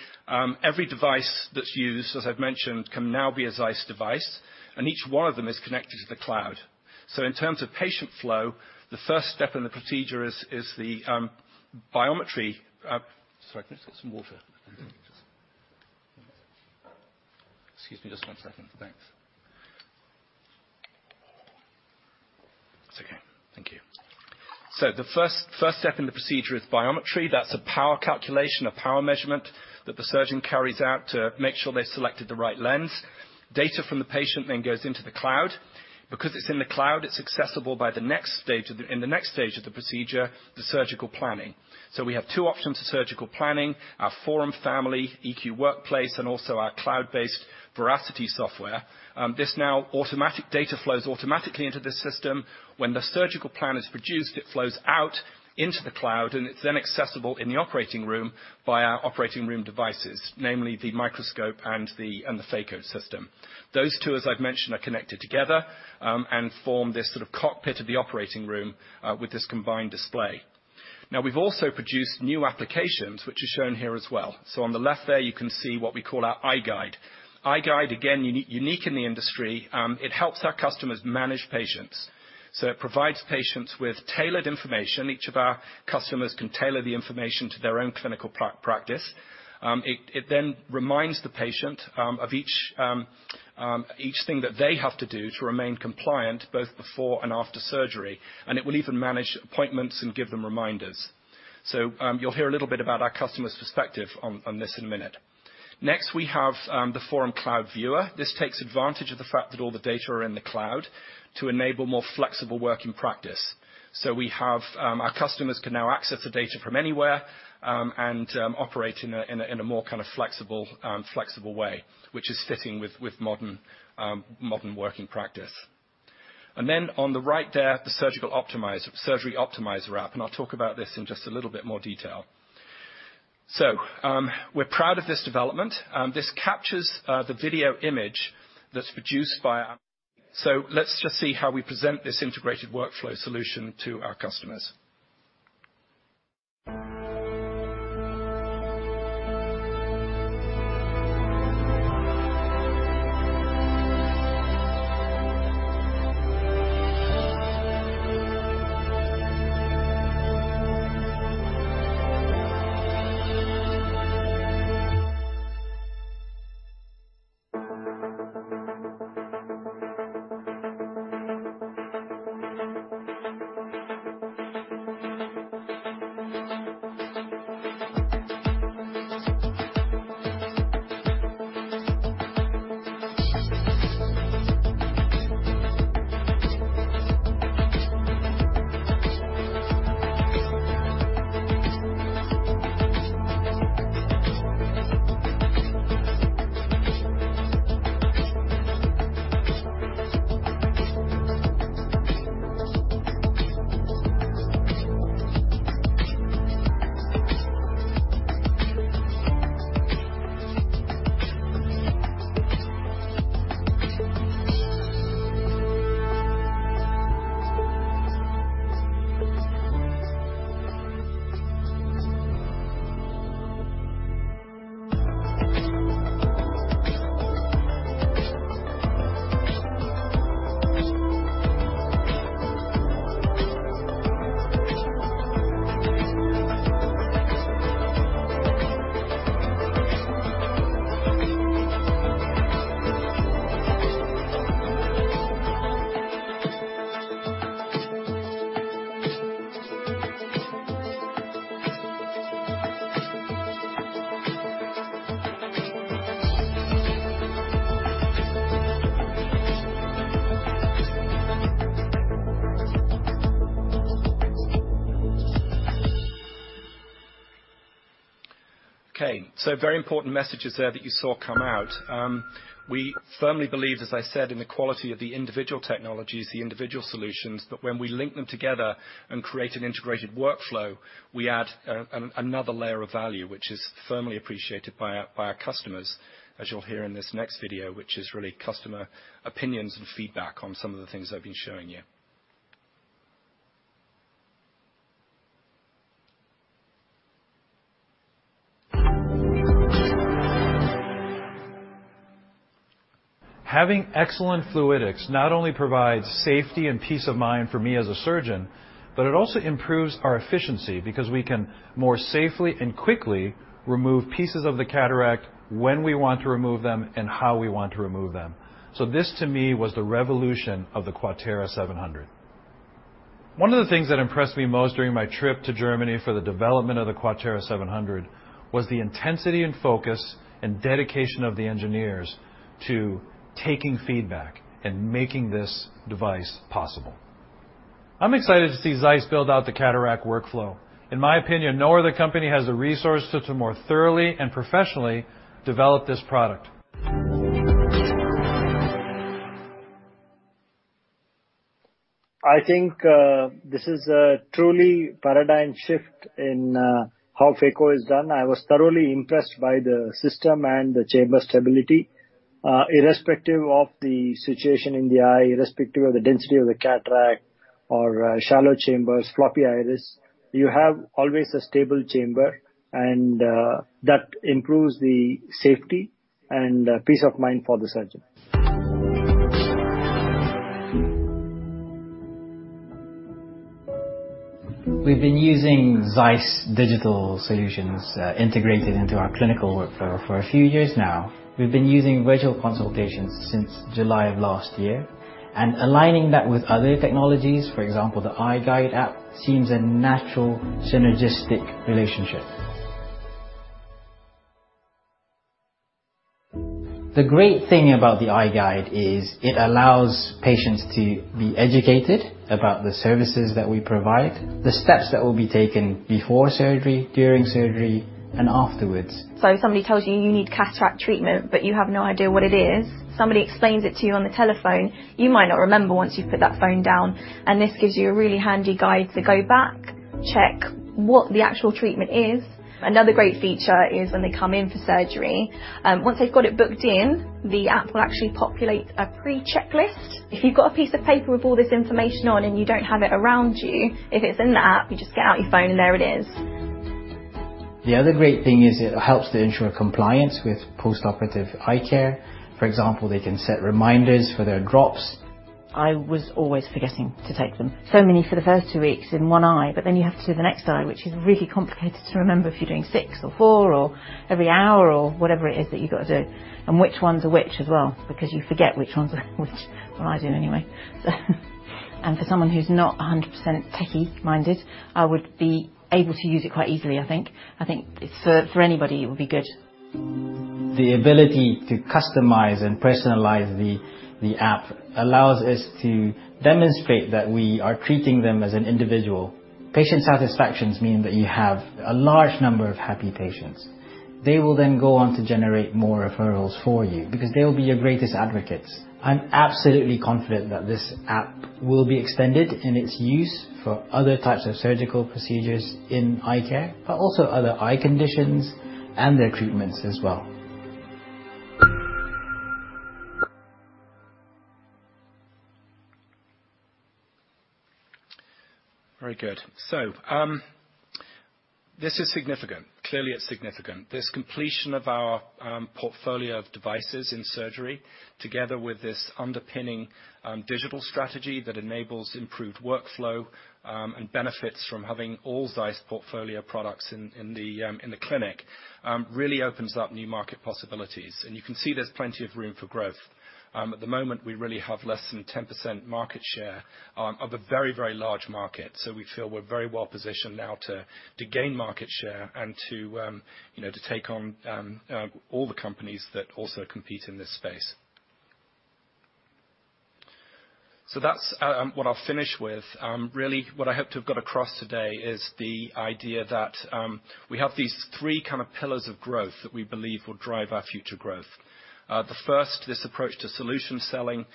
every device that's used, as I've mentioned, can now be a ZEISS device, and each one of them is connected to the cloud. In terms of patient flow, the first step in the procedure is biometry. That's a power calculation, a power measurement that the surgeon carries out to make sure they've selected the right lens. Data from the patient then goes into the cloud. Because it's in the cloud, it's accessible in the next stage of the procedure, the surgical planning. We have two options for surgical planning, our FORUM family, EQ Workplace, and also our cloud-based VERACITY software. This now automatic data flows automatically into the system. When the surgical plan is produced, it flows out into the cloud, and it's then accessible in the operating room by our operating room devices, namely the microscope and the phaco system. Those two, as I've mentioned, are connected together, and form this sort of cockpit of the operating room, with this combined display. Now, we've also produced new applications, which are shown here as well. On the left there, you can see what we call our iGuide. iGuide, again, unique in the industry, it helps our customers manage patients. It provides patients with tailored information. Each of our customers can tailor the information to their own clinical practice. It then reminds the patient of each thing that they have to do to remain compliant both before and after surgery. It will even manage appointments and give them reminders. You'll hear a little bit about our customer's perspective on this in a minute. Next, we have the FORUM Cloud Viewer. This takes advantage of the fact that all the data are in the cloud to enable more flexible working practice. We have our customers can now access the data from anywhere and operate in a more kind of flexible way, which is fitting with modern working practice. Then on the right there, the Surgery Optimizer app, and I'll talk about this in just a little bit more detail. We're proud of this development. This captures the video image that's produced by our. Let's just see how we present this integrated workflow solution to our customers. Okay. Very important messages there that you saw come out. We firmly believe, as I said, in the quality of the individual technologies, the individual solutions, that when we link them together and create an integrated workflow, we add another layer of value which is firmly appreciated by our customers, as you'll hear in this next video, which is really customer opinions and feedback on some of the things I've been showing you. Having excellent fluidics not only provides safety and peace of mind for me as a surgeon, but it also improves our efficiency because we can more safely and quickly remove pieces of the cataract when we want to remove them and how we want to remove them. This, to me, was the revolution of the QUATERA 700. One of the things that impressed me most during my trip to Germany for the development of the QUATERA 700 was the intensity and focus and dedication of the engineers to taking feedback and making this device possible. I'm excited to see ZEISS build out the cataract workflow. In my opinion, no other company has the resources to more thoroughly and professionally develop this product. I think this is a truly paradigm shift in how phaco is done. I was thoroughly impressed by the system and the chamber stability. Irrespective of the situation in the eye, irrespective of the density of the cataract or shallow chambers, floppy iris, you have always a stable chamber and that improves the safety and peace of mind for the surgeon. We've been using ZEISS digital solutions, integrated into our clinical workflow for a few years now. We've been using virtual consultations since July of last year. Aligning that with other technologies, for example, the iGuide app, seems a natural synergistic relationship. The great thing about the iGuide is it allows patients to be educated about the services that we provide, the steps that will be taken before surgery, during surgery, and afterwards. If somebody tells you you need cataract treatment, but you have no idea what it is, somebody explains it to you on the telephone, you might not remember once you've put that phone down, and this gives you a really handy guide to go back, check what the actual treatment is. Another great feature is when they come in for surgery, once they've got it booked in, the app will actually populate a pre-checklist. If you've got a piece of paper with all this information on and you don't have it around you, if it's in the app, you just get out your phone and there it is. The other great thing is it helps to ensure compliance with post-operative eye care. For example, they can set reminders for their drops. I was always forgetting to take them. Many for the first two weeks in one eye, but then you have to do the next eye, which is really complicated to remember if you're doing six or four or every hour or whatever it is that you gotta do. Which ones are which as well, because you forget which ones are which. Well, I do anyway. For someone who's not 100% techie-minded, I would be able to use it quite easily, I think. I think for anybody, it would be good. The ability to customize and personalize the app allows us to demonstrate that we are treating them as an individual. Patient satisfaction means that you have a large number of happy patients. They will then go on to generate more referrals for you because they will be your greatest advocates. I'm absolutely confident that this app will be extended in its use for other types of surgical procedures in eye care, but also other eye conditions and their treatments as well. Very good. This is significant. Clearly, it's significant. This completion of our portfolio of devices in surgery, together with this underpinning digital strategy that enables improved workflow and benefits from having all ZEISS portfolio products in the clinic, really opens up new market possibilities. You can see there's plenty of room for growth. At the moment, we really have less than 10% market share of a very large market. We feel we're very well positioned now to gain market share and to you know, to take on all the companies that also compete in this space. That's what I'll finish with. Really, what I hope to have got across today is the idea that we have these three kind of pillars of growth that we believe will drive our future growth. The first, this approach to solution selling,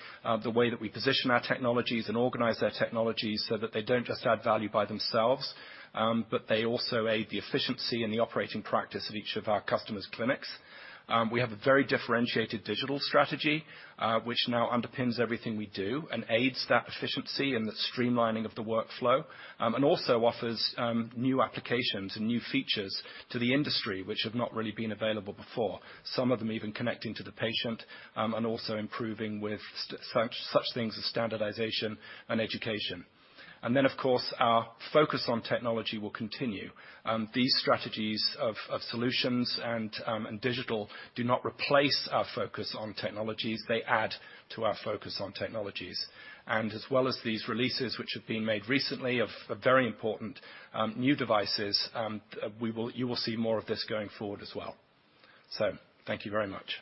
the way that we position our technologies and organize their technologies so that they don't just add value by themselves, but they also aid the efficiency and the operating practice of each of our customers' clinics. We have a very differentiated digital strategy, which now underpins everything we do and aids that efficiency and the streamlining of the workflow. And also offers new applications and new features to the industry which have not really been available before. Some of them even connecting to the patient, and also improving with such things as standardization and education. Of course, our focus on technology will continue. These strategies of solutions and digital do not replace our focus on technologies, they add to our focus on technologies. As well as these releases which have been made recently of very important new devices, you will see more of this going forward as well. Thank you very much.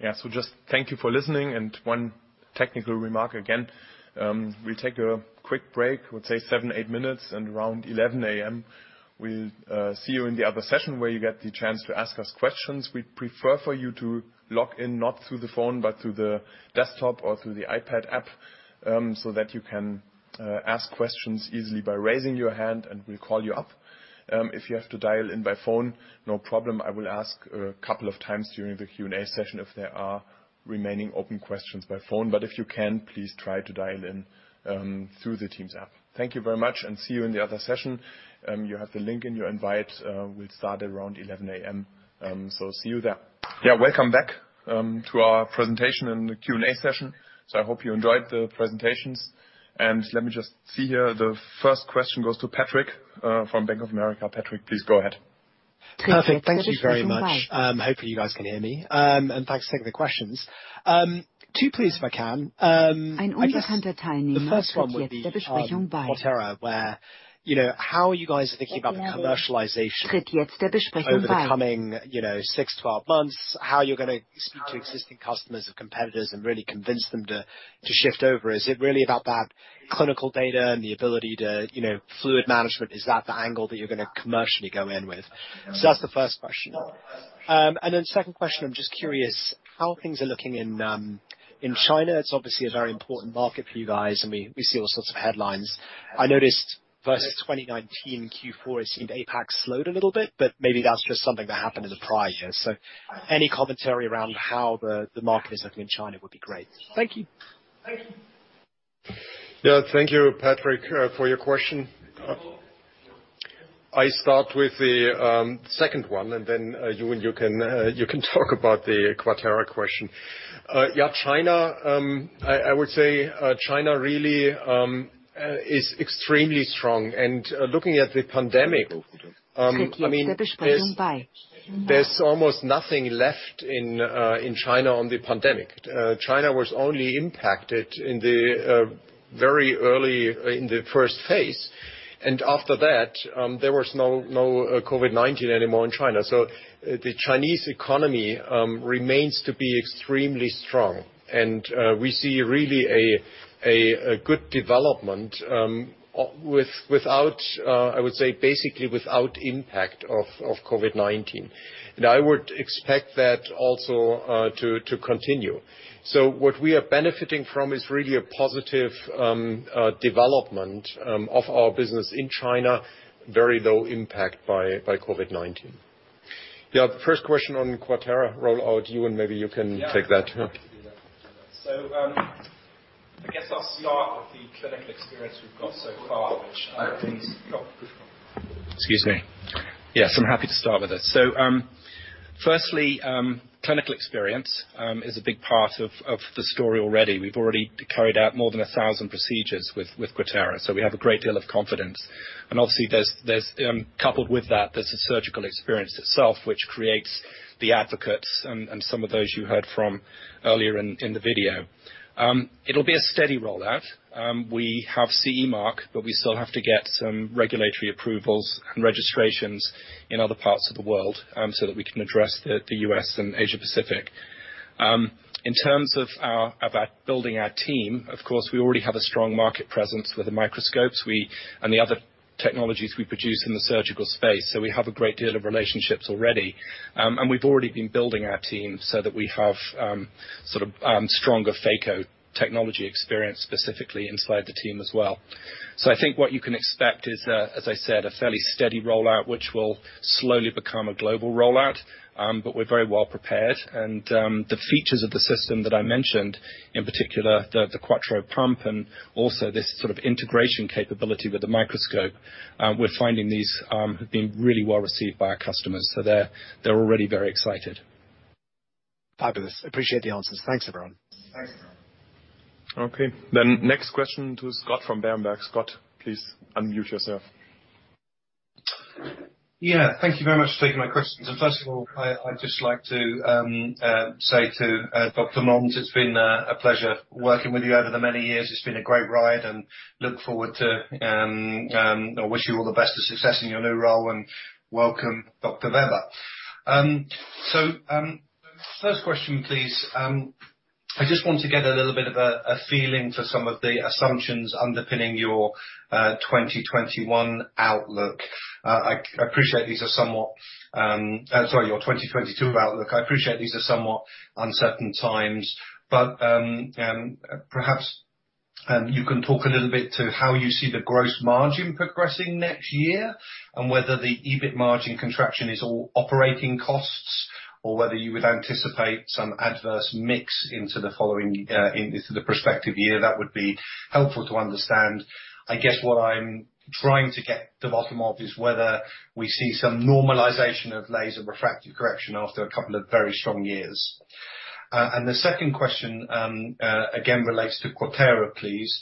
Yeah. Just thank you for listening and one technical remark again. We'll take a quick break, we'll say 7-8 minutes and around 11:00AM we'll see you in the other session where you get the chance to ask us questions. We'd prefer for you to log in, not through the phone, but through the desktop or through the iPad app, so that you can ask questions easily by raising your hand and we'll call you up. If you have to dial in by phone, no problem, I will ask a couple of times during the Q&A session if there are remaining open questions by phone. If you can, please try to dial in through the Teams app. Thank you very much and see you in the other session. You have the link in your invite. We'll start around 11:00AM, so see you there. Welcome back to our presentation and Q&A session. I hope you enjoyed the presentations. Let me just see here. The first question goes to Patrick from Bank of America. Patrick, please go ahead. Perfect. Thank you very much. Hopefully you guys can hear me. Thanks for taking the questions. Two, please, if I can. I guess the first one would be, QUATERA, where, you know, how are you guys thinking about the commercialization over the coming, you know, six, 12 months, how you're gonna speak to existing customers of competitors and really convince them to shift over? Is it really about that clinical data and the ability to, you know, fluid management? Is that the angle that you're gonna commercially go in with? That's the first question. Second question, I'm just curious how things are looking in China. It's obviously a very important market for you guys, and we see all sorts of headlines. I noticed versus 2019 Q4, it seemed APAC slowed a little bit, but maybe that's just something that happened in the prior year. Any commentary around how the market is looking in China would be great. Thank you. Yeah. Thank you, Patrick, for your question. I start with the second one, and then, Euan you can talk about the QUATERA question. Yeah, China, I would say, China really is extremely strong. Looking at the pandemic, I mean, there's almost nothing left in China on the pandemic. China was only impacted in the very early phase, and after that, there was no COVID-19 anymore in China. The Chinese economy remains to be extremely strong. We see really a good development without, I would say basically without impact of COVID-19. I would expect that also to continue. What we are benefiting from is really a positive development of our business in China, very low impact by COVID-19. Yeah. First question on QUATERA rollout, Euan, maybe you can take that. Yeah. Happy to do that. I guess I'll start with the clinical experience we've got so far. Yes, I'm happy to start with it. Firstly, clinical experience is a big part of the story already. We've already carried out more than 1,000 procedures with QUATERA, so we have a great deal of confidence. Obviously, coupled with that, there's the surgical experience itself, which creates the advocates and some of those you heard from earlier in the video. It'll be a steady rollout. We have CE mark, but we still have to get some regulatory approvals and registrations in other parts of the world, so that we can address the U.S. and Asia-Pacific. In terms of our...about building our team, of course, we already have a strong market presence with the microscopes and the other technologies we produce in the surgical space, so we have a great deal of relationships already. We've already been building our team so that we have sort of stronger phaco technology experience specifically inside the team as well. I think what you can expect is a, as I said, a fairly steady rollout, which will slowly become a global rollout. We're very well prepared. The features of the system that I mentioned, in particular the QUATTRO pump and also this sort of integration capability with the microscope, we're finding these have been really well received by our customers. They're already very excited. Fabulous. Appreciate the answers. Thanks, everyone. Okay. Next question to Scott from Berenberg. Scott, please unmute yourself. Yeah. Thank you very much for taking my questions. First of all, I'd just like to say to Dr. Monz, it's been a pleasure working with you over the many years. It's been a great ride, I wish you all the best of success in your new role, and welcome Dr. Weber. First question, please. I just want to get a little bit of a feeling for some of the assumptions underpinning your 2021 outlook. I appreciate these are somewhat. Sorry, your 2022 outlook. I appreciate these are somewhat uncertain times, but perhaps you can talk a little bit to how you see the gross margin progressing next year and whether the EBIT margin contraction is all operating costs or whether you would anticipate some adverse mix into the prospective year. That would be helpful to understand. I guess what I'm trying to get to the bottom of is whether we see some normalization of laser refractive correction after a couple of very strong years. The second question, again, relates to QUATERA please.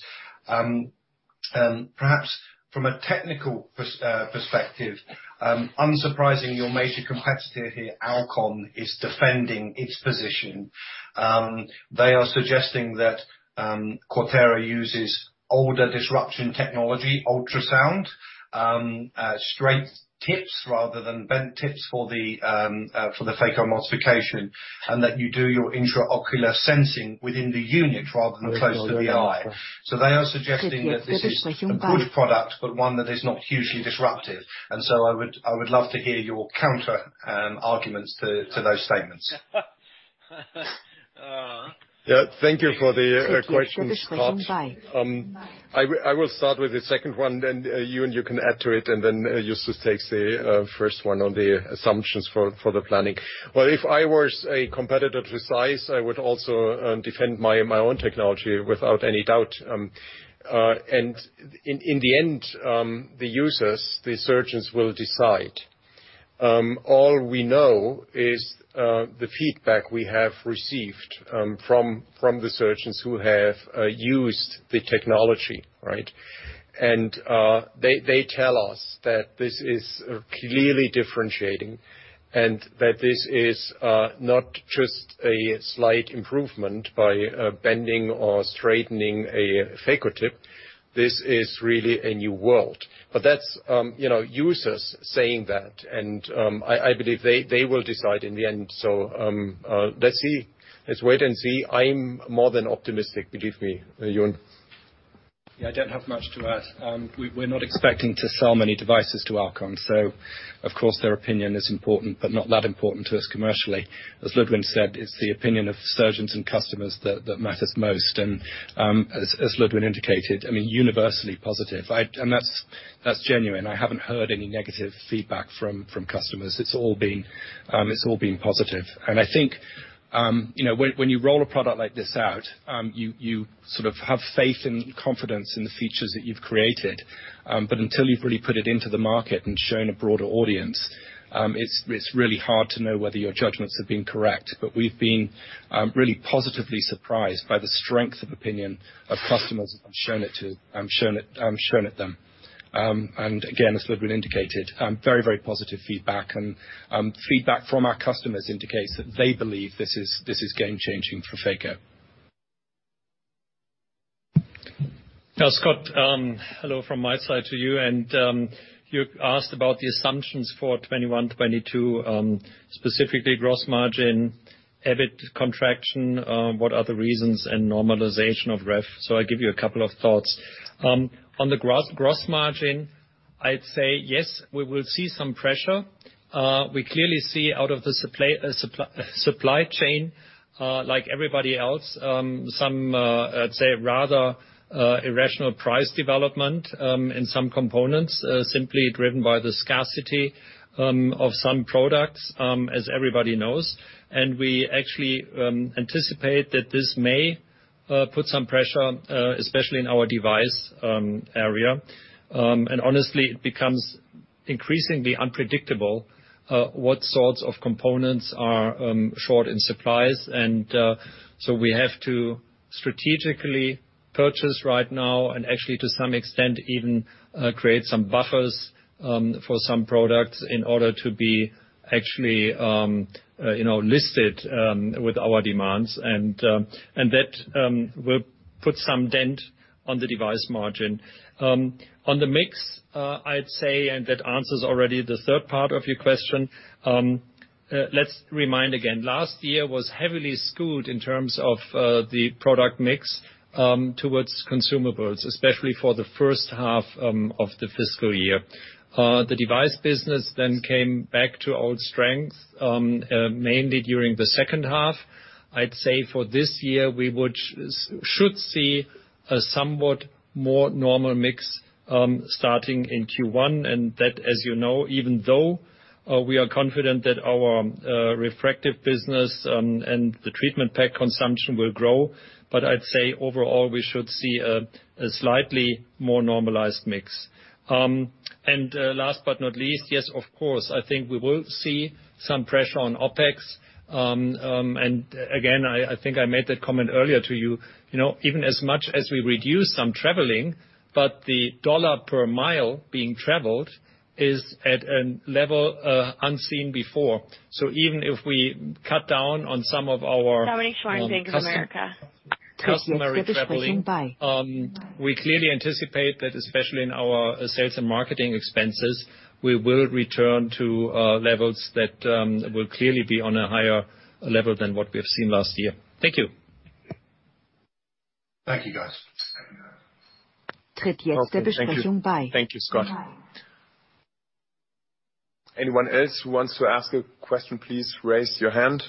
Perhaps from a technical perspective, unsurprisingly, your major competitor here, Alcon, is defending its position. They are suggesting that QUATERA uses older disruption technology, ultrasound, straight tips rather than bent tips for the phacoemulsification, and that you do your intraocular sensing within the unit rather than close to the eye. They are suggesting that this is a good product but one that is not hugely disruptive. I would love to hear your counter arguments to those statements. Thank you for the questions, Scott. I will start with the second one, then Euan, you can add to it, and then Justus takes the first one on the assumptions for the planning. Well, if I was a competitor to ZEISS, I would also defend my own technology without any doubt. In the end, the users, the surgeons will decide. All we know is the feedback we have received from the surgeons who have used the technology, right? They tell us that this is clearly differentiating and that this is not just a slight improvement by bending or straightening a phaco tip. This is really a new world. That's, you know, users saying that. I believe they will decide in the end. Let's wait and see. I'm more than optimistic, believe me. Euan. Yeah, I don't have much to add. We're not expecting to sell many devices to Alcon, so of course their opinion is important, but not that important to us commercially. As Ludwin said, it's the opinion of surgeons and customers that matters most. As Ludwin indicated, I mean, universally positive. That's genuine. I haven't heard any negative feedback from customers. It's all been positive. I think, you know, when you roll a product like this out, you sort of have faith and confidence in the features that you've created. Until you've really put it into the market and shown a broader audience, it's really hard to know whether your judgments have been correct. We've been really positively surprised by the strength of opinion of customers as we've shown it to them. Again, as Ludwin indicated, very positive feedback. Feedback from our customers indicates that they believe this is game-changing for phaco. Now, Scott, hello from my side to you. You asked about the assumptions for 2021, 2022, specifically gross margin, EBIT contraction, what are the reasons and normalization of REF. I give you a couple of thoughts. On the gross margin, I'd say yes, we will see some pressure. We clearly see out of the supply chain, like everybody else, some, I'd say, rather irrational price development in some components, simply driven by the scarcity of some products, as everybody knows. We actually anticipate that this may put some pressure, especially in our device area. And honestly, it becomes increasingly unpredictable what sorts of components are short in supply. We have to strategically purchase right now and actually to some extent even create some buffers for some products in order to be actually you know listed with our demands. That will put some dent on the device margin. On the mix, I'd say, and that answers already the third part of your question. Let's remind again. Last year was heavily skewed in terms of the product mix towards consumables, especially for the first half of the fiscal year. The device business then came back to old strength mainly during the second half. I'd say for this year, we should see a somewhat more normal mix, starting in Q1, and that, as you know, even though, we are confident that our, refractive business, and the treatment pack consumption will grow. I'd say overall, we should see a slightly more normalized mix. Last but not least, yes, of course, I think we will see some pressure on OpEx. Again, I think I made that comment earlier to you. You know, even as much as we reduce some traveling, but the dollar per mile being traveled is at a level unseen before. Even if we cut down on some of our-. We clearly anticipate that, especially in our sales and marketing expenses, we will return to levels that will clearly be on a higher level than what we have seen last year. Thank you. Thank you, guys. Okay. Thank you. Thank you, Scott. Anyone else who wants to ask a question, please raise your hand.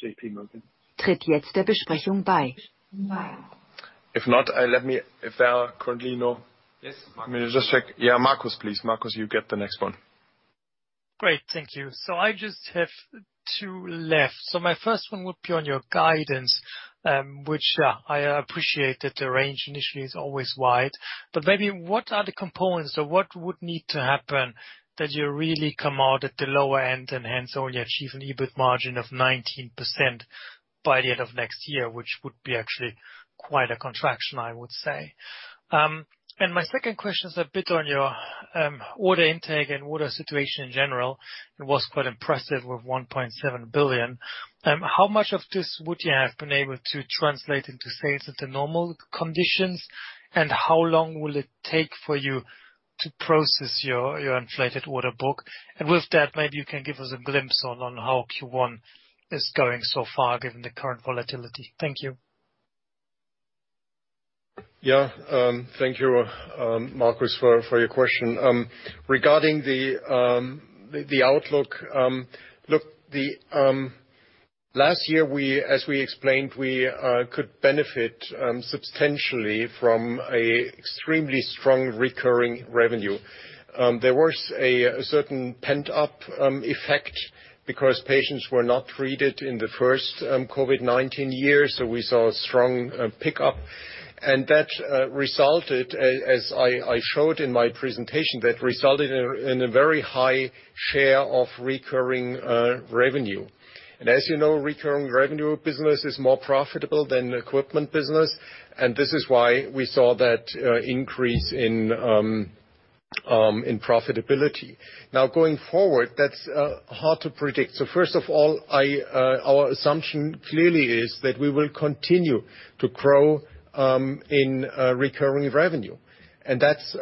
J.P. Morgan. If there are currently no...Yes, Marcus. Let me just check. Yeah, Marcus, please. Marcus, you get the next one. Great, thank you. I just have two left. My first one would be on your guidance, which I appreciate that the range initially is always wide. Maybe what are the components, or what would need to happen that you really come out at the lower end and hence only achieve an EBIT margin of 19% by the end of next year, which would be actually quite a contraction, I would say. My second question is a bit on your order intake and order situation in general. It was quite impressive with 1.7 billion. How much of this would you have been able to translate into sales at the normal conditions? And how long will it take for you to process your inflated order book? With that, maybe you can give us a glimpse on how Q1 is going so far, given the current volatility. Thank you. Thank you, Marcus, for your question. Regarding the outlook. Last year, as we explained, we could benefit substantially from an extremely strong recurring revenue. There was a certain pent-up effect because patients were not treated in the first COVID-19 year, so we saw a strong pickup. That resulted, as I showed in my presentation, in a very high share of recurring revenue. As you know, recurring revenue business is more profitable than equipment business, and this is why we saw that increase in profitability. Now, going forward, that's hard to predict. First of all, our assumption clearly is that we will continue to grow in recurring revenue. That's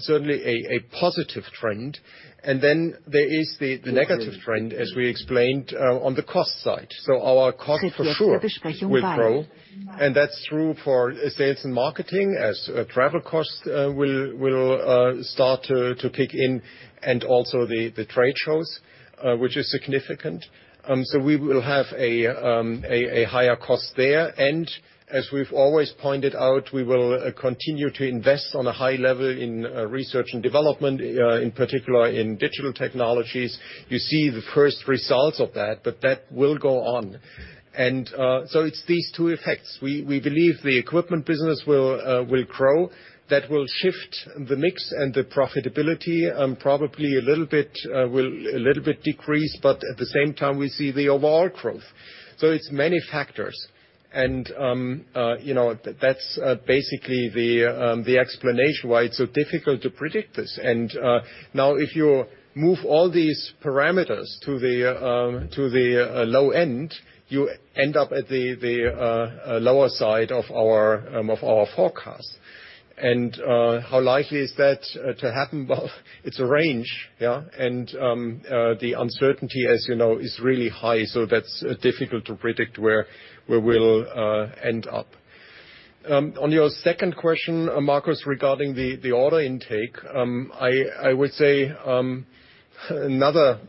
certainly a positive trend. There is the negative trend, as we explained, on the cost side. Our costs for sure will grow. That's true for sales and marketing, as travel costs will start to kick in and also the trade shows, which is significant. We will have a higher cost there. As we've always pointed out, we will continue to invest on a high level in research and development, in particular in digital technologies. You see the first results of that, but that will go on. It's these two effects. We believe the equipment business will grow. That will shift the mix and the profitability, probably a little bit will decrease, but at the same time, we see the overall growth. It's many factors. You know, that's basically the explanation why it's so difficult to predict this. Now if you move all these parameters to the low end, you end up at the lower side of our forecast. How likely is that to happen? Well, it's a range, yeah? The uncertainty, as you know, is really high, so that's difficult to predict where we'll end up. On your second question, Marcus, regarding the order intake, I would say another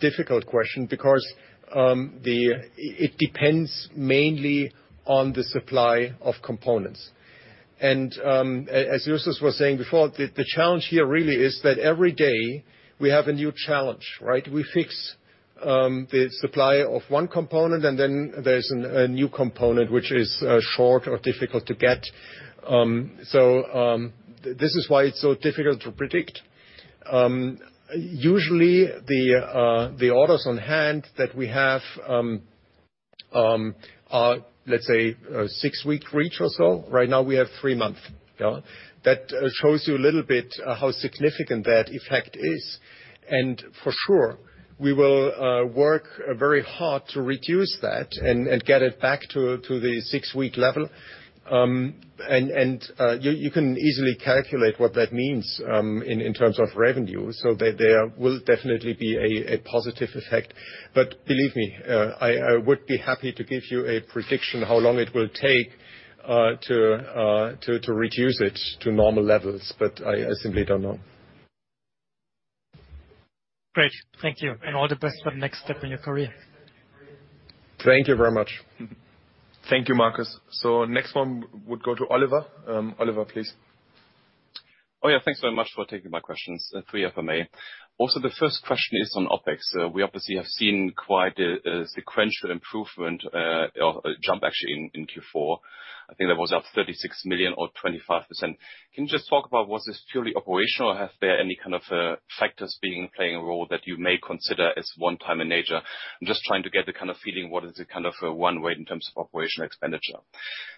difficult question because the... It depends mainly on the supply of components. As Justus was saying before, the challenge here really is that every day we have a new challenge, right? We fix the supply of one component, and then there's a new component which is short or difficult to get. This is why it's so difficult to predict. Usually the orders on hand that we have are, let's say, a six-week reach or so. Right now we have three-month. That shows you a little bit how significant that effect is. For sure, we will work very hard to reduce that and get it back to the six-week level. You can easily calculate what that means in terms of revenue, so there will definitely be a positive effect. Believe me, I would be happy to give you a prediction how long it will take to reduce it to normal levels, but I simply don't know. Great. Thank you. All the best for the next step in your career. Thank you very much. Thank you, Marcus. Next one would go to Oliver. Oliver, please. Oh, yeah, thanks very much for taking my questions, three of them may. Also, the first question is on OpEx. We obviously have seen quite a sequential improvement, or a jump actually in Q4. I think that was up 36 million or 25%. Can you just talk about was this purely operational, or have there any kind of factors playing a role that you may consider as one time in nature? I'm just trying to get the kind of feeling, what is it kind of a one way in terms of operational expenditure.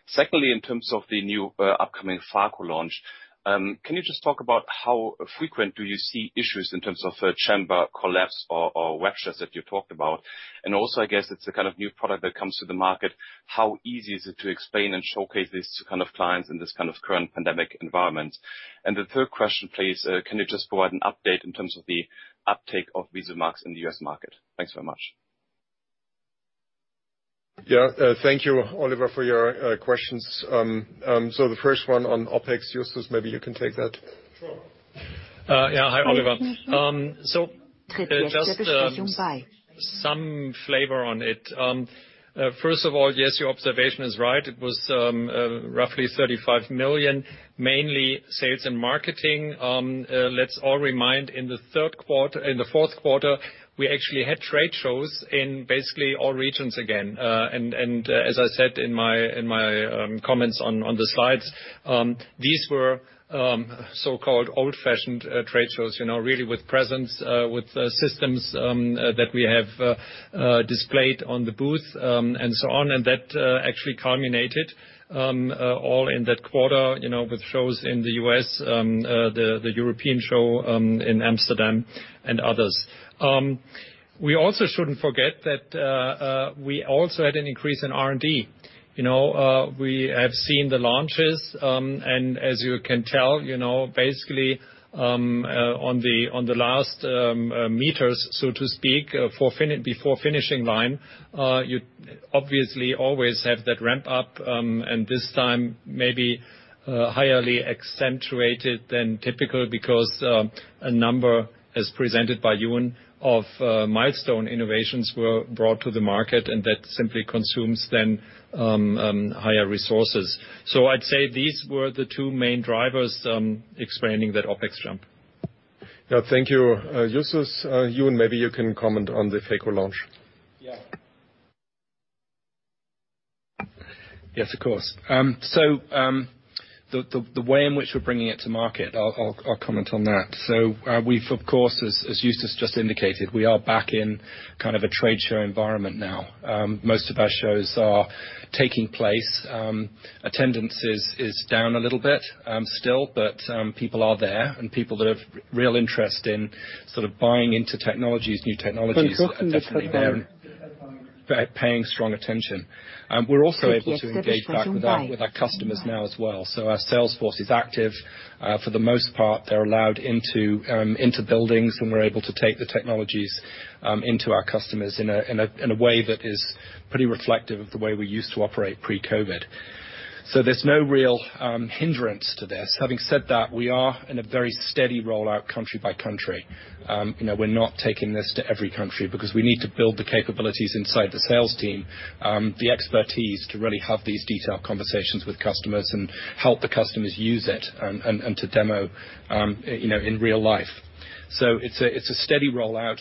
Secondly, in terms of the new upcoming phaco launch, can you just talk about how frequent do you see issues in terms of chamber collapse or capsular ruptures that you talked about? Also, I guess it's the kind of new product that comes to the market, how easy is it to explain and showcase this to kind of clients in this kind of current pandemic environment? The third question, please, can you just provide an update in terms of the uptake of VISUMAX in the U.S. market? Thanks very much. Yeah. Thank you, Oliver, for your questions. The first one on OpEx, Justus, maybe you can take that. Sure. Yeah. Hi, Oliver. So just some flavor on it. First of all, yes, your observation is right. It was roughly 35 million, mainly sales and marketing. Let's all remember in the fourth quarter, we actually had trade shows in basically all regions again. And as I said in my comments on the slides, these were so-called old-fashioned trade shows, you know, really with presence, with systems that we have displayed on the booth, and so on. That actually culminated all in that quarter, you know, with shows in the U.S., the European show in Amsterdam and others. We also shouldn't forget that we also had an increase in R&D. You know, we have seen the launches, and as you can tell, you know, basically, on the last meters, so to speak, before finishing line, you obviously always have that ramp up, and this time maybe highly accentuated than typical because a number, as presented by Euan, of milestone innovations were brought to the market, and that simply consumes then higher resources. So I'd say these were the two main drivers, explaining that OpEx jump. Thank you, Justus. Euan, maybe you can comment on the phaco launch. Yeah. Yes, of course. The way in which we're bringing it to market, I'll comment on that. We've of course, as Justus just indicated, we are back in kind of a trade show environment now. Most of our shows are taking place. Attendance is down a little bit still, but people are there, and people that have real interest in sort of buying into technologies, new technologies are definitely there and paying strong attention. We're also able to engage back with our customers now as well. Our sales force is active. For the most part, they're allowed into buildings, and we're able to take the technologies into our customers in a way that is pretty reflective of the way we used to operate pre-COVID. There's no real hindrance to this. Having said that, we are in a very steady rollout country by country. We're not taking this to every country because we need to build the capabilities inside the sales team, the expertise to really have these detailed conversations with customers and help the customers use it and to demo in real life. It's a steady rollout,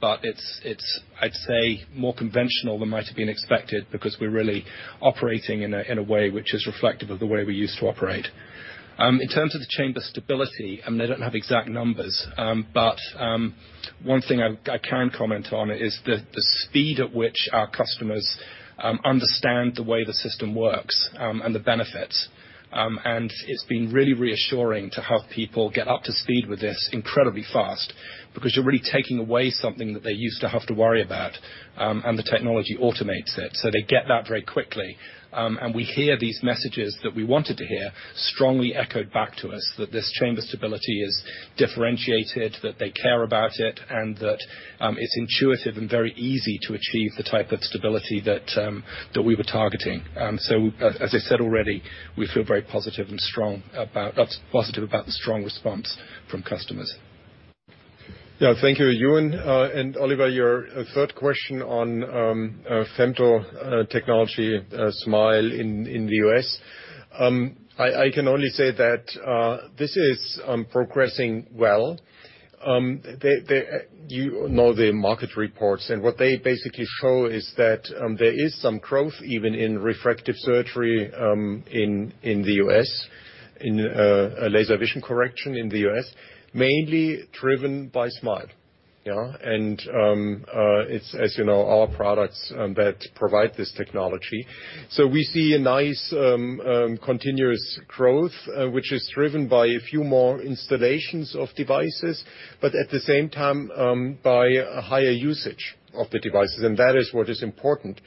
but it's, I'd say, more conventional than might have been expected because we're really operating in a way which is reflective of the way we used to operate. In terms of the chamber stability, I mean, I don't have exact numbers, but one thing I can comment on is the speed at which our customers understand the way the system works, and the benefits. It's been really reassuring to have people get up to speed with this incredibly fast because you're really taking away something that they used to have to worry about, and the technology automates it, so they get that very quickly. We hear these messages that we wanted to hear strongly echoed back to us that this chamber stability is differentiated, that they care about it, and that it's intuitive and very easy to achieve the type of stability that we were targeting. As I said already, we feel very positive and strong about positive about the strong response from customers. Yeah. Thank you, Euan. Oliver, your third question on femtosecond technology, SMILE in the U.S. I can only say that this is progressing well. You know the market reports, and what they basically show is that there is some growth even in refractive surgery in the U.S., in a laser vision correction in the U.S., mainly driven by SMILE. Yeah. It's, as you know, our products that provide this technology. We see a nice continuous growth which is driven by a few more installations of devices, but at the same time, by a higher usage of the devices. That is what is important,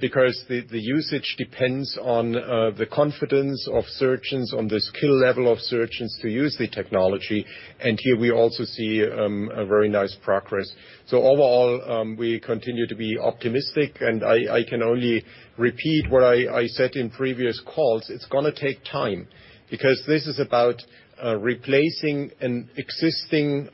because the usage depends on the confidence of surgeons, on the skill level of surgeons to use the technology, and here we also see a very nice progress. Overall, we continue to be optimistic, and I can only repeat what I said in previous calls. It's gonna take time because this is about replacing an existing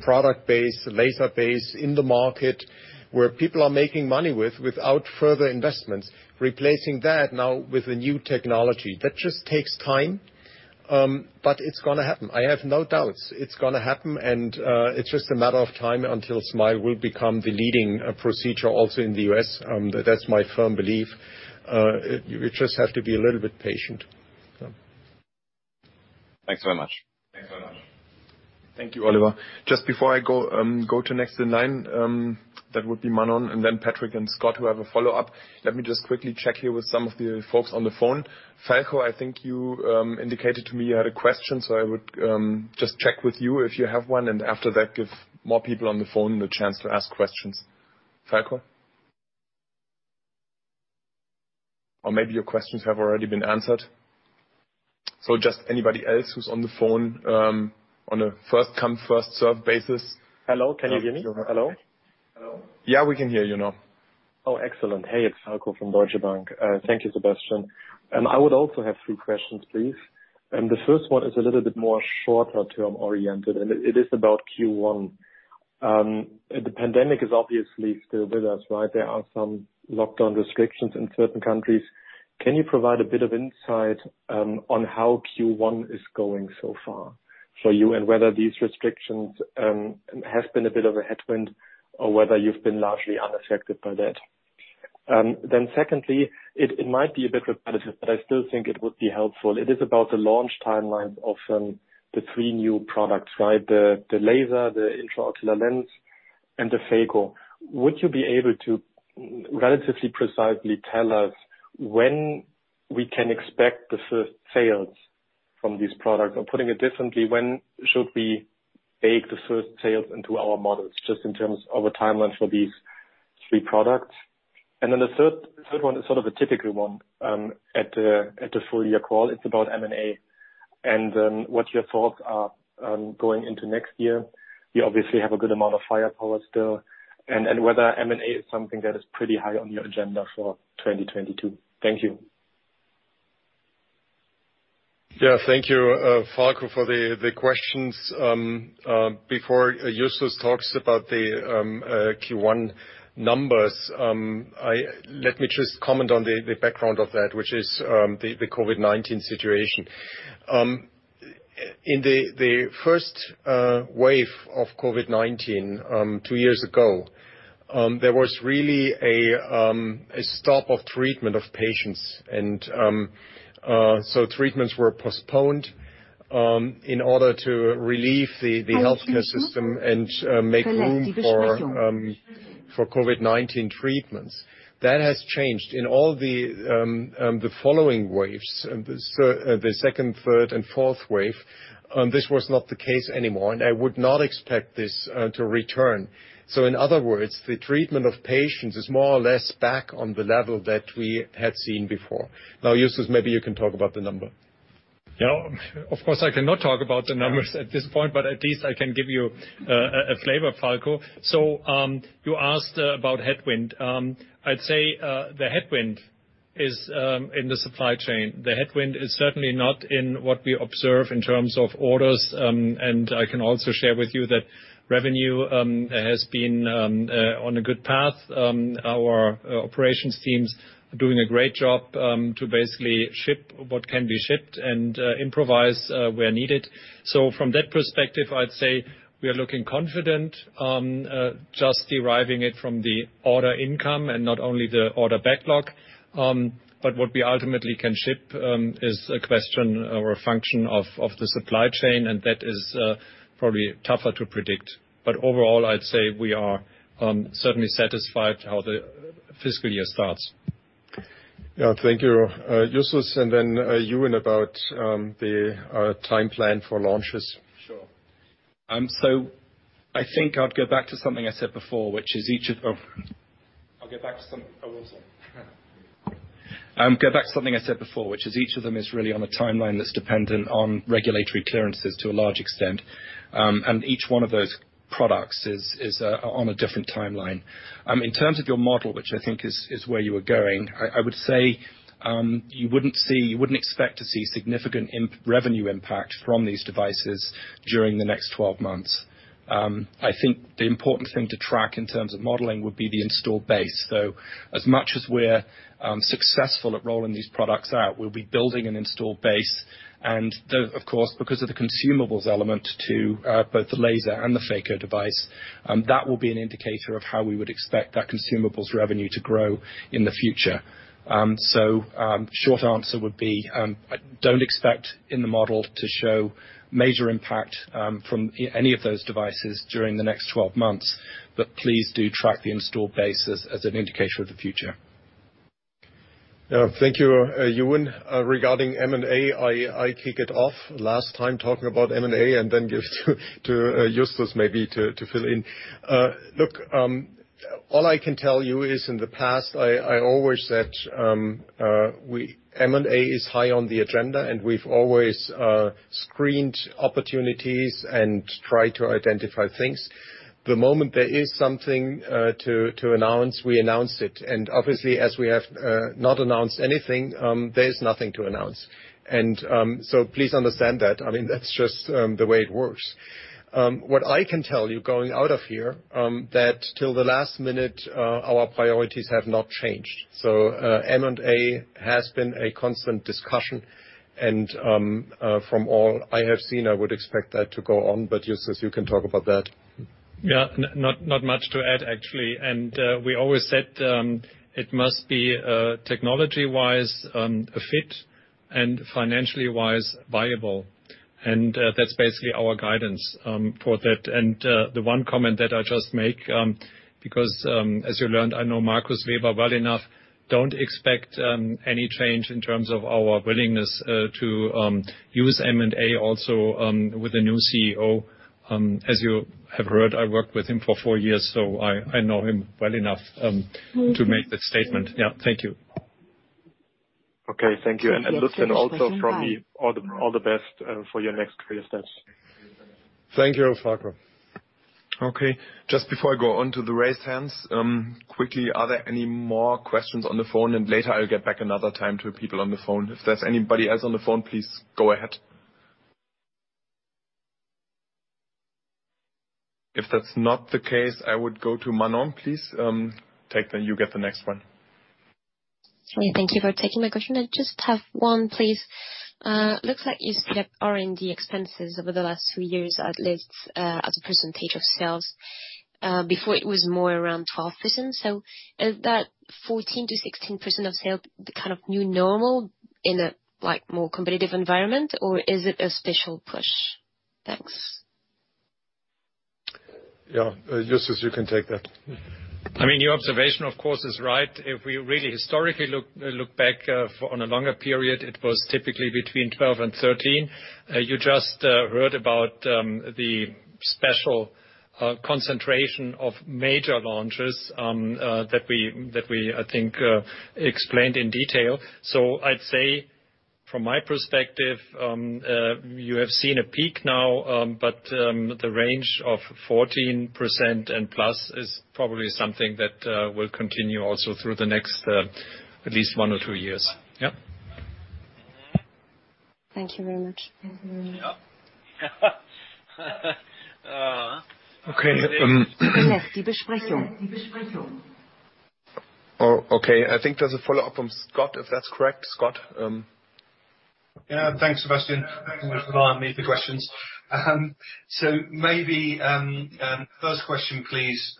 product base, laser base in the market where people are making money without further investments. Replacing that now with a new technology, that just takes time. But it's gonna happen. I have no doubts it's gonna happen, and it's just a matter of time until SMILE will become the leading procedure also in the U.S. That's my firm belief. You just have to be a little bit patient, so. Thanks very much. Thank you, Oliver. Just before I go to next in line, that would be Manon, and then Patrick and Scott, who have a follow-up. Let me just quickly check here with some of the folks on the phone. Falko, I think you indicated to me you had a question, so I would just check with you if you have one, and after that, give more people on the phone the chance to ask questions. Falko? Or maybe your questions have already been answered. Just anybody else who's on the phone, on a first come, first served basis. Hello, can you hear me? Hello? Hello? Yeah, we can hear you now. Oh, excellent. Hey, it's Falko from Deutsche Bank. Thank you, Sebastian. I would also have three questions, please. The first one is a little bit more shorter term oriented, and it is about Q1. The pandemic is obviously still with us, right? There are some lockdown restrictions in certain countries. Can you provide a bit of insight on how Q1 is going so far for you, and whether these restrictions have been a bit of a headwind, or whether you've been largely unaffected by that? Then secondly, it might be a bit repetitive, but I still think it would be helpful. It is about the launch timelines of the three new products, right? The laser, the intraocular lens, and the phaco. Would you be able to relatively precisely tell us when we can expect the first sales from these products? Putting it differently, when should we bake the first sales into our models, just in terms of a timeline for these three products? The third one is sort of a typical one at the full year call. It's about M&A, and what your thoughts are going into next year. You obviously have a good amount of firepower still, and whether M&A is something that is pretty high on your agenda for 2022. Thank you. Yeah, thank you, Falko, for the questions. Before Justus talks about the Q1 numbers, let me just comment on the background of that, which is the COVID-19 situation. In the first wave of COVID-19, two years ago, there was really a stop of treatment of patients and so treatments were postponed, in order to relieve the healthcare system and make room for COVID-19 treatments. That has changed. In all the following waves, the second, third and fourth wave, this was not the case anymore, and I would not expect this to return. In other words, the treatment of patients is more or less back on the level that we had seen before. Now, Justus, maybe you can talk about the number. Yeah. Of course, I cannot talk about the numbers at this point, but at least I can give you a flavor, Falko. You asked about headwind. I'd say the headwind is in the supply chain. The headwind is certainly not in what we observe in terms of orders, and I can also share with you that revenue has been on a good path. Our operations teams are doing a great job to basically ship what can be shipped and improvise where needed. From that perspective, I'd say we are looking confident, just deriving it from the order intake and not only the order backlog. What we ultimately can ship is a question or a function of the supply chain, and that is probably tougher to predict. Overall, I'd say we are certainly satisfied how the fiscal year starts. Yeah. Thank you, Justus. Euan, about the time plan for launches. Sure. I think I'd go back to something I said before, which is each of them is really on a timeline that's dependent on regulatory clearances to a large extent. Each one of those products is on a different timeline. In terms of your model, which I think is where you were going, I would say you wouldn't expect to see significant revenue impact from these devices during the next 12 months. I think the important thing to track in terms of modeling would be the installed base. As much as we're successful at rolling these products out, we'll be building an installed base. Of course, because of the consumables element to both the laser and the phaco device, that will be an indicator of how we would expect that consumables revenue to grow in the future. So, short answer would be, don't expect in the model to show major impact from any of those devices during the next 12 months, but please do track the installed base as an indicator of the future. Yeah. Thank you, Euan. Regarding M&A, I kick it off last time talking about M&A, and then give to Justus maybe to fill in. Look, all I can tell you is in the past, I always said, M&A is high on the agenda, and we've always screened opportunities and try to identify things. The moment there is something to announce, we announce it. Obviously, as we have not announced anything, there is nothing to announce. Please understand that. I mean, that's just the way it works. What I can tell you going out of here that till the last minute our priorities have not changed. M&A has been a constant discussion, and from all I have seen, I would expect that to go on. Justus, you can talk about that. Yeah. Not much to add, actually. We always said it must be technology-wise a fit, and financially-wise viable. That's basically our guidance for that. The one comment that I just make because as you learned, I know Markus Weber well enough, don't expect any change in terms of our willingness to use M&A also with a new CEO. As you have heard, I worked with him for four years, so I know him well enough to make that statement. Yeah, thank you. Okay, thank you. Listen also from me, all the best for your next career steps. Thank you, Falko. Okay. Just before I go on to the raised hands, quickly, are there any more questions on the phone? Later, I'll get back another time to people on the phone. If there's anybody else on the phone, please go ahead. If that's not the case, I would go to Manon, please. You get the next one. Yeah, thank you for taking my question. I just have one, please. Looks like you slipped R&D expenses over the last few years, at least, as a percentage of sales. Before it was more around 12%. Is that 14%-16% of sales the kind of new normal in a, like, more competitive environment, or is it a special push? Thanks. Yeah. Justus, you can take that. I mean, your observation, of course, is right. If we really historically look back over a longer period, it was typically between 12 and 13. You just heard about the special concentration of major launches that we, I think, explained in detail. I'd say from my perspective, you have seen a peak now, but the range of 14%+ is probably something that will continue also through the next at least one or two years. Yeah. Thank you very much. Yeah. Okay, oh, okay. I think there's a follow-up from Scott, if that's correct. Scott, Yeah, thanks, Sebastian. The questions. Maybe first question, please.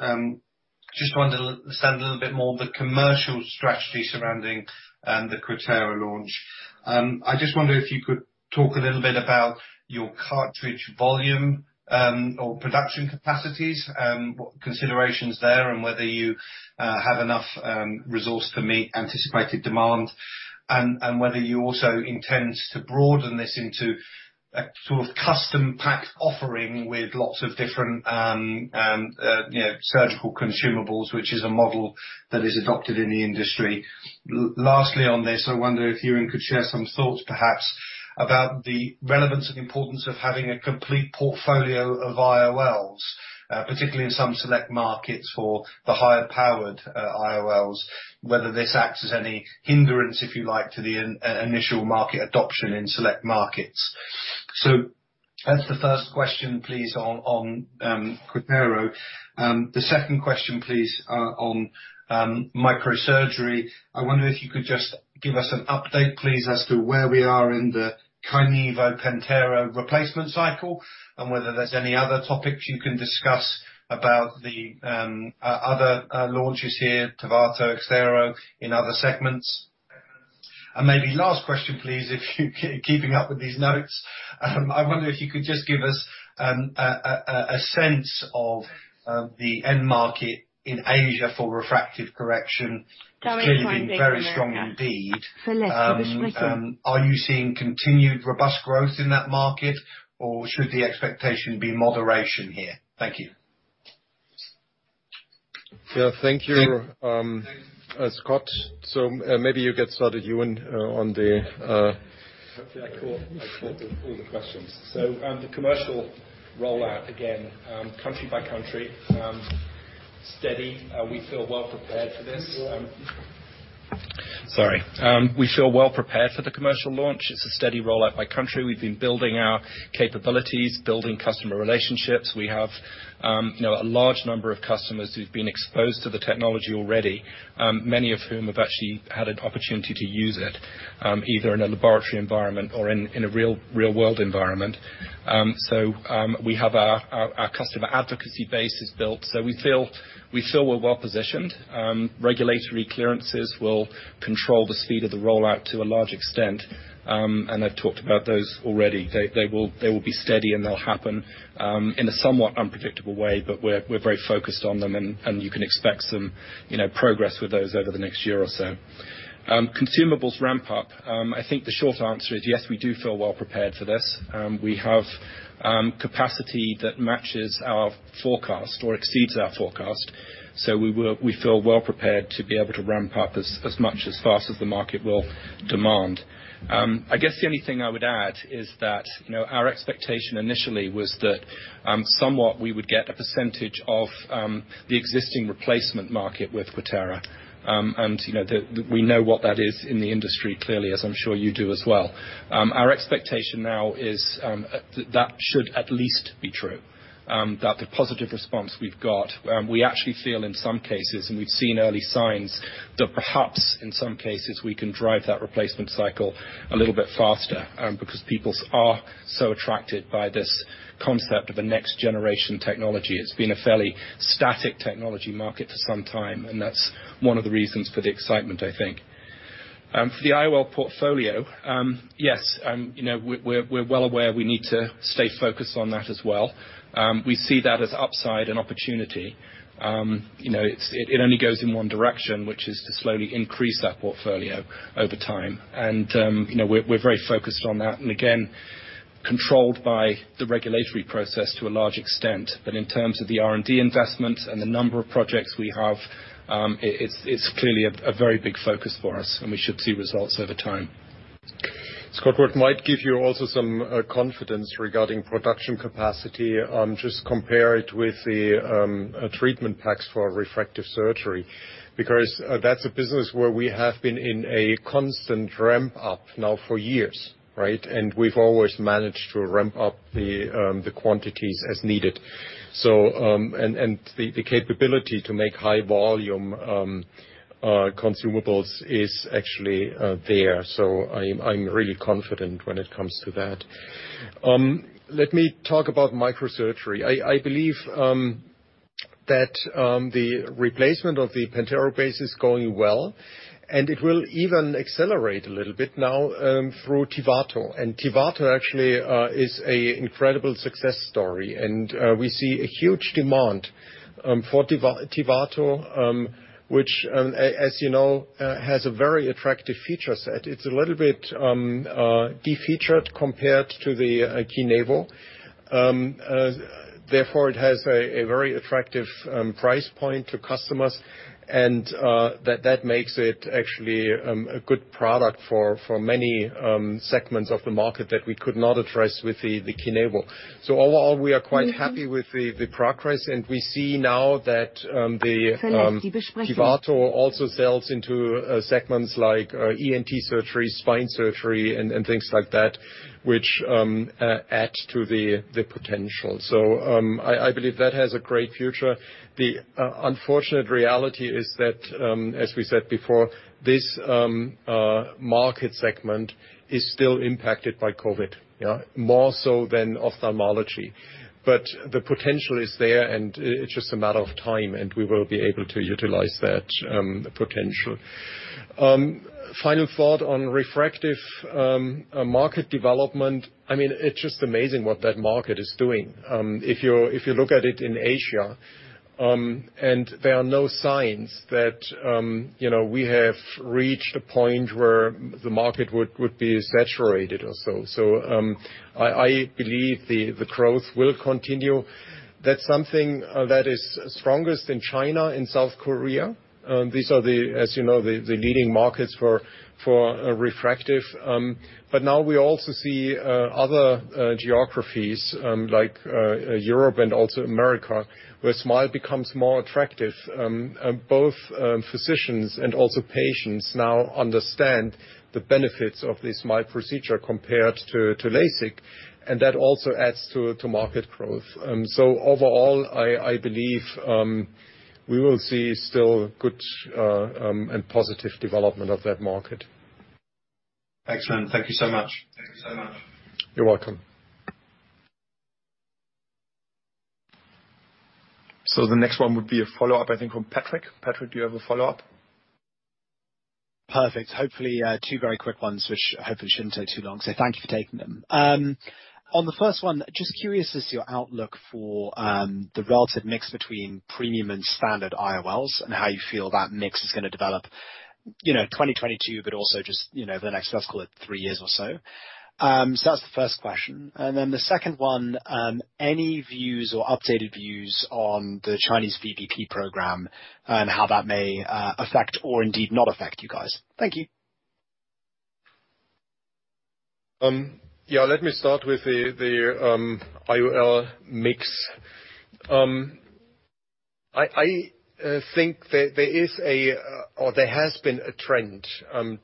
Just wanted to understand a little bit more of the commercial strategy surrounding the QUATERA launch. I just wonder if you could talk a little bit about your cassette volume or production capacities, what considerations there, and whether you have enough resource to meet anticipated demand, and whether you also intend to broaden this into a sort of custom-packed offering with lots of different you know, surgical consumables, which is a model that is adopted in the industry. Lastly on this, I wonder if Euan could share some thoughts perhaps about the relevance and importance of having a complete portfolio of IOLs, particularly in some select markets for the higher powered IOLs, whether this acts as any hindrance, if you like, to the initial market adoption in select markets. That's the first question, please, on QUATERA. The second question, please, on microsurgery. I wonder if you could just give us an update, please, as to where we are in the KINEVO/PENTERO replacement cycle, and whether there's any other topics you can discuss about the other launches here, TIVATO/EXTARO, in other segments. Maybe last question, please, if you're keeping up with these notes. I wonder if you could just give us a sense of the end market in Asia for refractive correction. It's clearly been very strong indeed. Are you seeing continued robust growth in that market, or should the expectation be moderation here? Thank you. Yeah. Thank you, Scott. Maybe you get started, Euan, on the, Hopefully, I caught all the questions. The commercial rollout, again, country by country, steady. We feel well prepared for this. Sorry. We feel well prepared for the commercial launch. It's a steady rollout by country. We've been building our capabilities, building customer relationships. We have, you know, a large number of customers who've been exposed to the technology already, many of whom have actually had an opportunity to use it, either in a laboratory environment or in a real-world environment. We have our customer advocacy base is built, so we feel we're well positioned. Regulatory clearances will control the speed of the rollout to a large extent. I've talked about those already. They will be steady, and they'll happen in a somewhat unpredictable way, but we're very focused on them and you can expect some, you know, progress with those over the next year or so. Consumables ramp up. I think the short answer is yes, we do feel well prepared for this. We have capacity that matches our forecast or exceeds our forecast. We feel well prepared to be able to ramp up as fast as the market will demand. I guess the only thing I would add is that, you know, our expectation initially was that somewhat we would get a percentage of the existing replacement market with QUATERA. You know, we know what that is in the industry clearly, as I'm sure you do as well. Our expectation now is that should at least be true, that the positive response we've got, we actually feel in some cases, and we've seen early signs, that perhaps in some cases we can drive that replacement cycle a little bit faster, because people are so attracted by this concept of a next generation technology. It's been a fairly static technology market for some time, and that's one of the reasons for the excitement, I think. For the IOL portfolio, yes, you know, we're well aware we need to stay focused on that as well. We see that as upside and opportunity. You know, it only goes in one direction, which is to slowly increase that portfolio over time. You know, we're very focused on that, and again, controlled by the regulatory process to a large extent. In terms of the R&D investment and the number of projects we have, it's clearly a very big focus for us, and we should see results over time. Scott, what might give you also some confidence regarding production capacity, just compare it with the treatment packs for our refractive surgery. That's a business where we have been in a constant ramp up now for years, right? We've always managed to ramp up the quantities as needed. The capability to make high volume consumables is actually there. I'm really confident when it comes to that. Let me talk about microsurgery. I believe that the replacement of the PENTERO base is going well, and it will even accelerate a little bit now through TIVATO. TIVATO actually is an incredible success story. We see a huge demand for TIVATO, which, as you know, has a very attractive feature set. It's a little bit defeatured compared to the KINEVO, therefore it has a very attractive price point to customers and that makes it actually a good product for many segments of the market that we could not address with the KINEVO. Overall, we are quite happy with the progress, and we see now that the TIVATO also sells into segments like ENT surgery, spine surgery, and things like that, which add to the potential. I believe that has a great future. The unfortunate reality is that, as we said before, this market segment is still impacted by COVID, yeah, more so than ophthalmology. The potential is there, and it's just a matter of time, and we will be able to utilize that potential. Final thought on refractive market development, I mean, it's just amazing what that market is doing. If you look at it in Asia, and there are no signs that, you know, we have reached a point where the market would be saturated or so. I believe the growth will continue. That's something that is strongest in China and South Korea. These are the, as you know, the leading markets for refractive. Now we also see other geographies like Europe and also America, where SMILE becomes more attractive. Both physicians and also patients now understand the benefits of this SMILE procedure compared to LASIK, and that also adds to market growth. Overall, I believe we will see still good and positive development of that market. Excellent. Thank you so much. Thank you so much. You're welcome. The next one would be a follow-up, I think, from Patrick. Patrick, do you have a follow-up? Perfect. Hopefully, two very quick ones, which hopefully shouldn't take too long. Thank you for taking them. On the first one, just curious as to your outlook for the relative mix between premium and standard IOLs and how you feel that mix is gonna develop, you know, 2022, but also just, you know, over the next, let's call it three years or so. That's the first question. The second one, any views or updated views on the Chinese VBP program and how that may affect or indeed not affect you guys? Thank you. Yeah, let me start with the IOL mix. I think there is or there has been a trend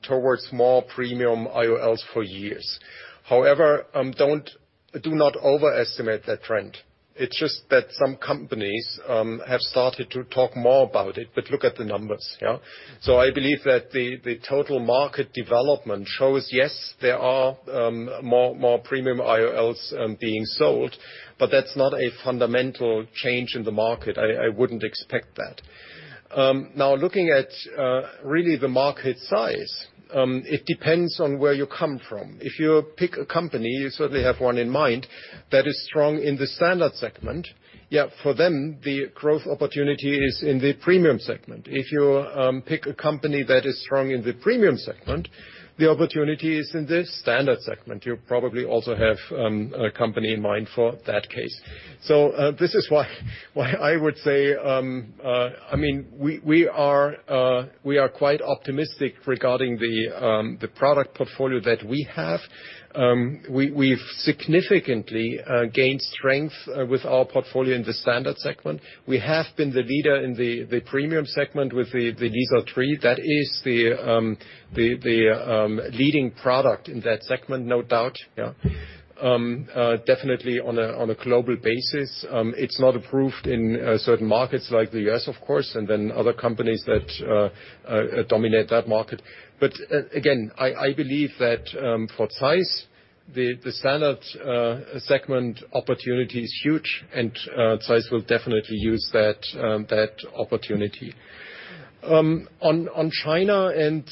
towards more premium IOLs for years. However, do not overestimate that trend. It's just that some companies have started to talk more about it, but look at the numbers, yeah? I believe that the total market development shows, yes, there are more premium IOLs being sold, but that's not a fundamental change in the market. I wouldn't expect that. Now looking at really the market size, it depends on where you come from. If you pick a company, you certainly have one in mind that is strong in the standard segment, yeah, for them, the growth opportunity is in the premium segment. If you pick a company that is strong in the premium segment, the opportunity is in the standard segment. You probably also have a company in mind for that case. This is why I would say I mean we are quite optimistic regarding the product portfolio that we have. We've significantly gained strength with our portfolio in the standard segment. We have been the leader in the premium segment with the AT LISA tri. That is the leading product in that segment, no doubt, yeah. Definitely on a global basis, it's not approved in certain markets like the U.S., of course, and then other companies that dominate that market. I believe that for ZEISS, the standard segment opportunity is huge and ZEISS will definitely use that opportunity. On China and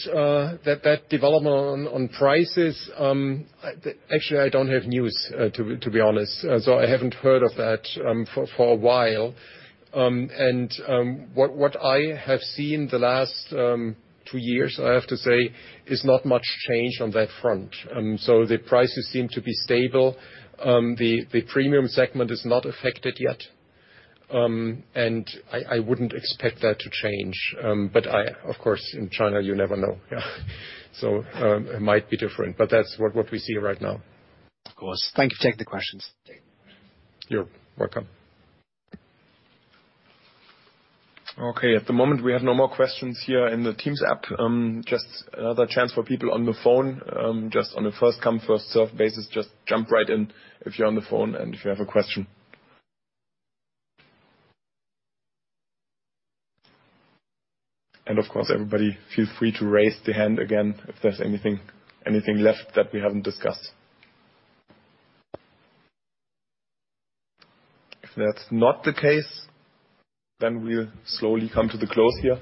that development on prices, actually, I don't have news to be honest. I haven't heard of that for a while. What I have seen the last two years, I have to say, is not much change on that front. The prices seem to be stable. The premium segment is not affected yet. I wouldn't expect that to change. Of course, in China, you never know. Yeah. It might be different, but that's what we see right now. Of course. Thank you for taking the questions. You're welcome. Okay. At the moment, we have no more questions here in the Teams app. Just another chance for people on the phone, just on a first come, first serve basis, just jump right in if you're on the phone and if you have a question. Of course, everybody feel free to raise their hand again if there's anything left that we haven't discussed. If that's not the case, then we'll slowly come to the close here.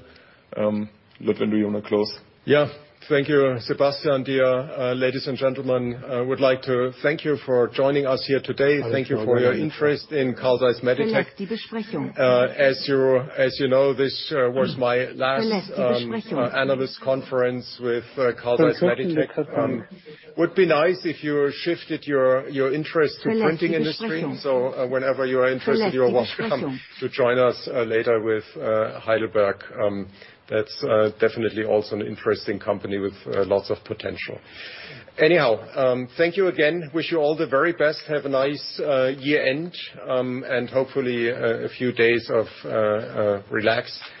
Ludwin, do you wanna close? Yeah. Thank you, Sebastian. Dear ladies and gentlemen, I would like to thank you for joining us here today. Thank you for your interest in Carl Zeiss Meditec. As you know, this was my last analyst conference with Carl Zeiss Meditec. Would be nice if you shifted your interest to printing industry. Whenever you are interested, you are welcome to join us later with Heidelberg. That's definitely also an interesting company with lots of potential. Anyhow, thank you again. Wish you all the very best. Have a nice year end, and hopefully a few days of relaxation.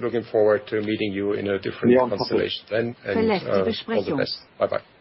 Looking forward to meeting you in a different constellation then. All the best. Bye-bye.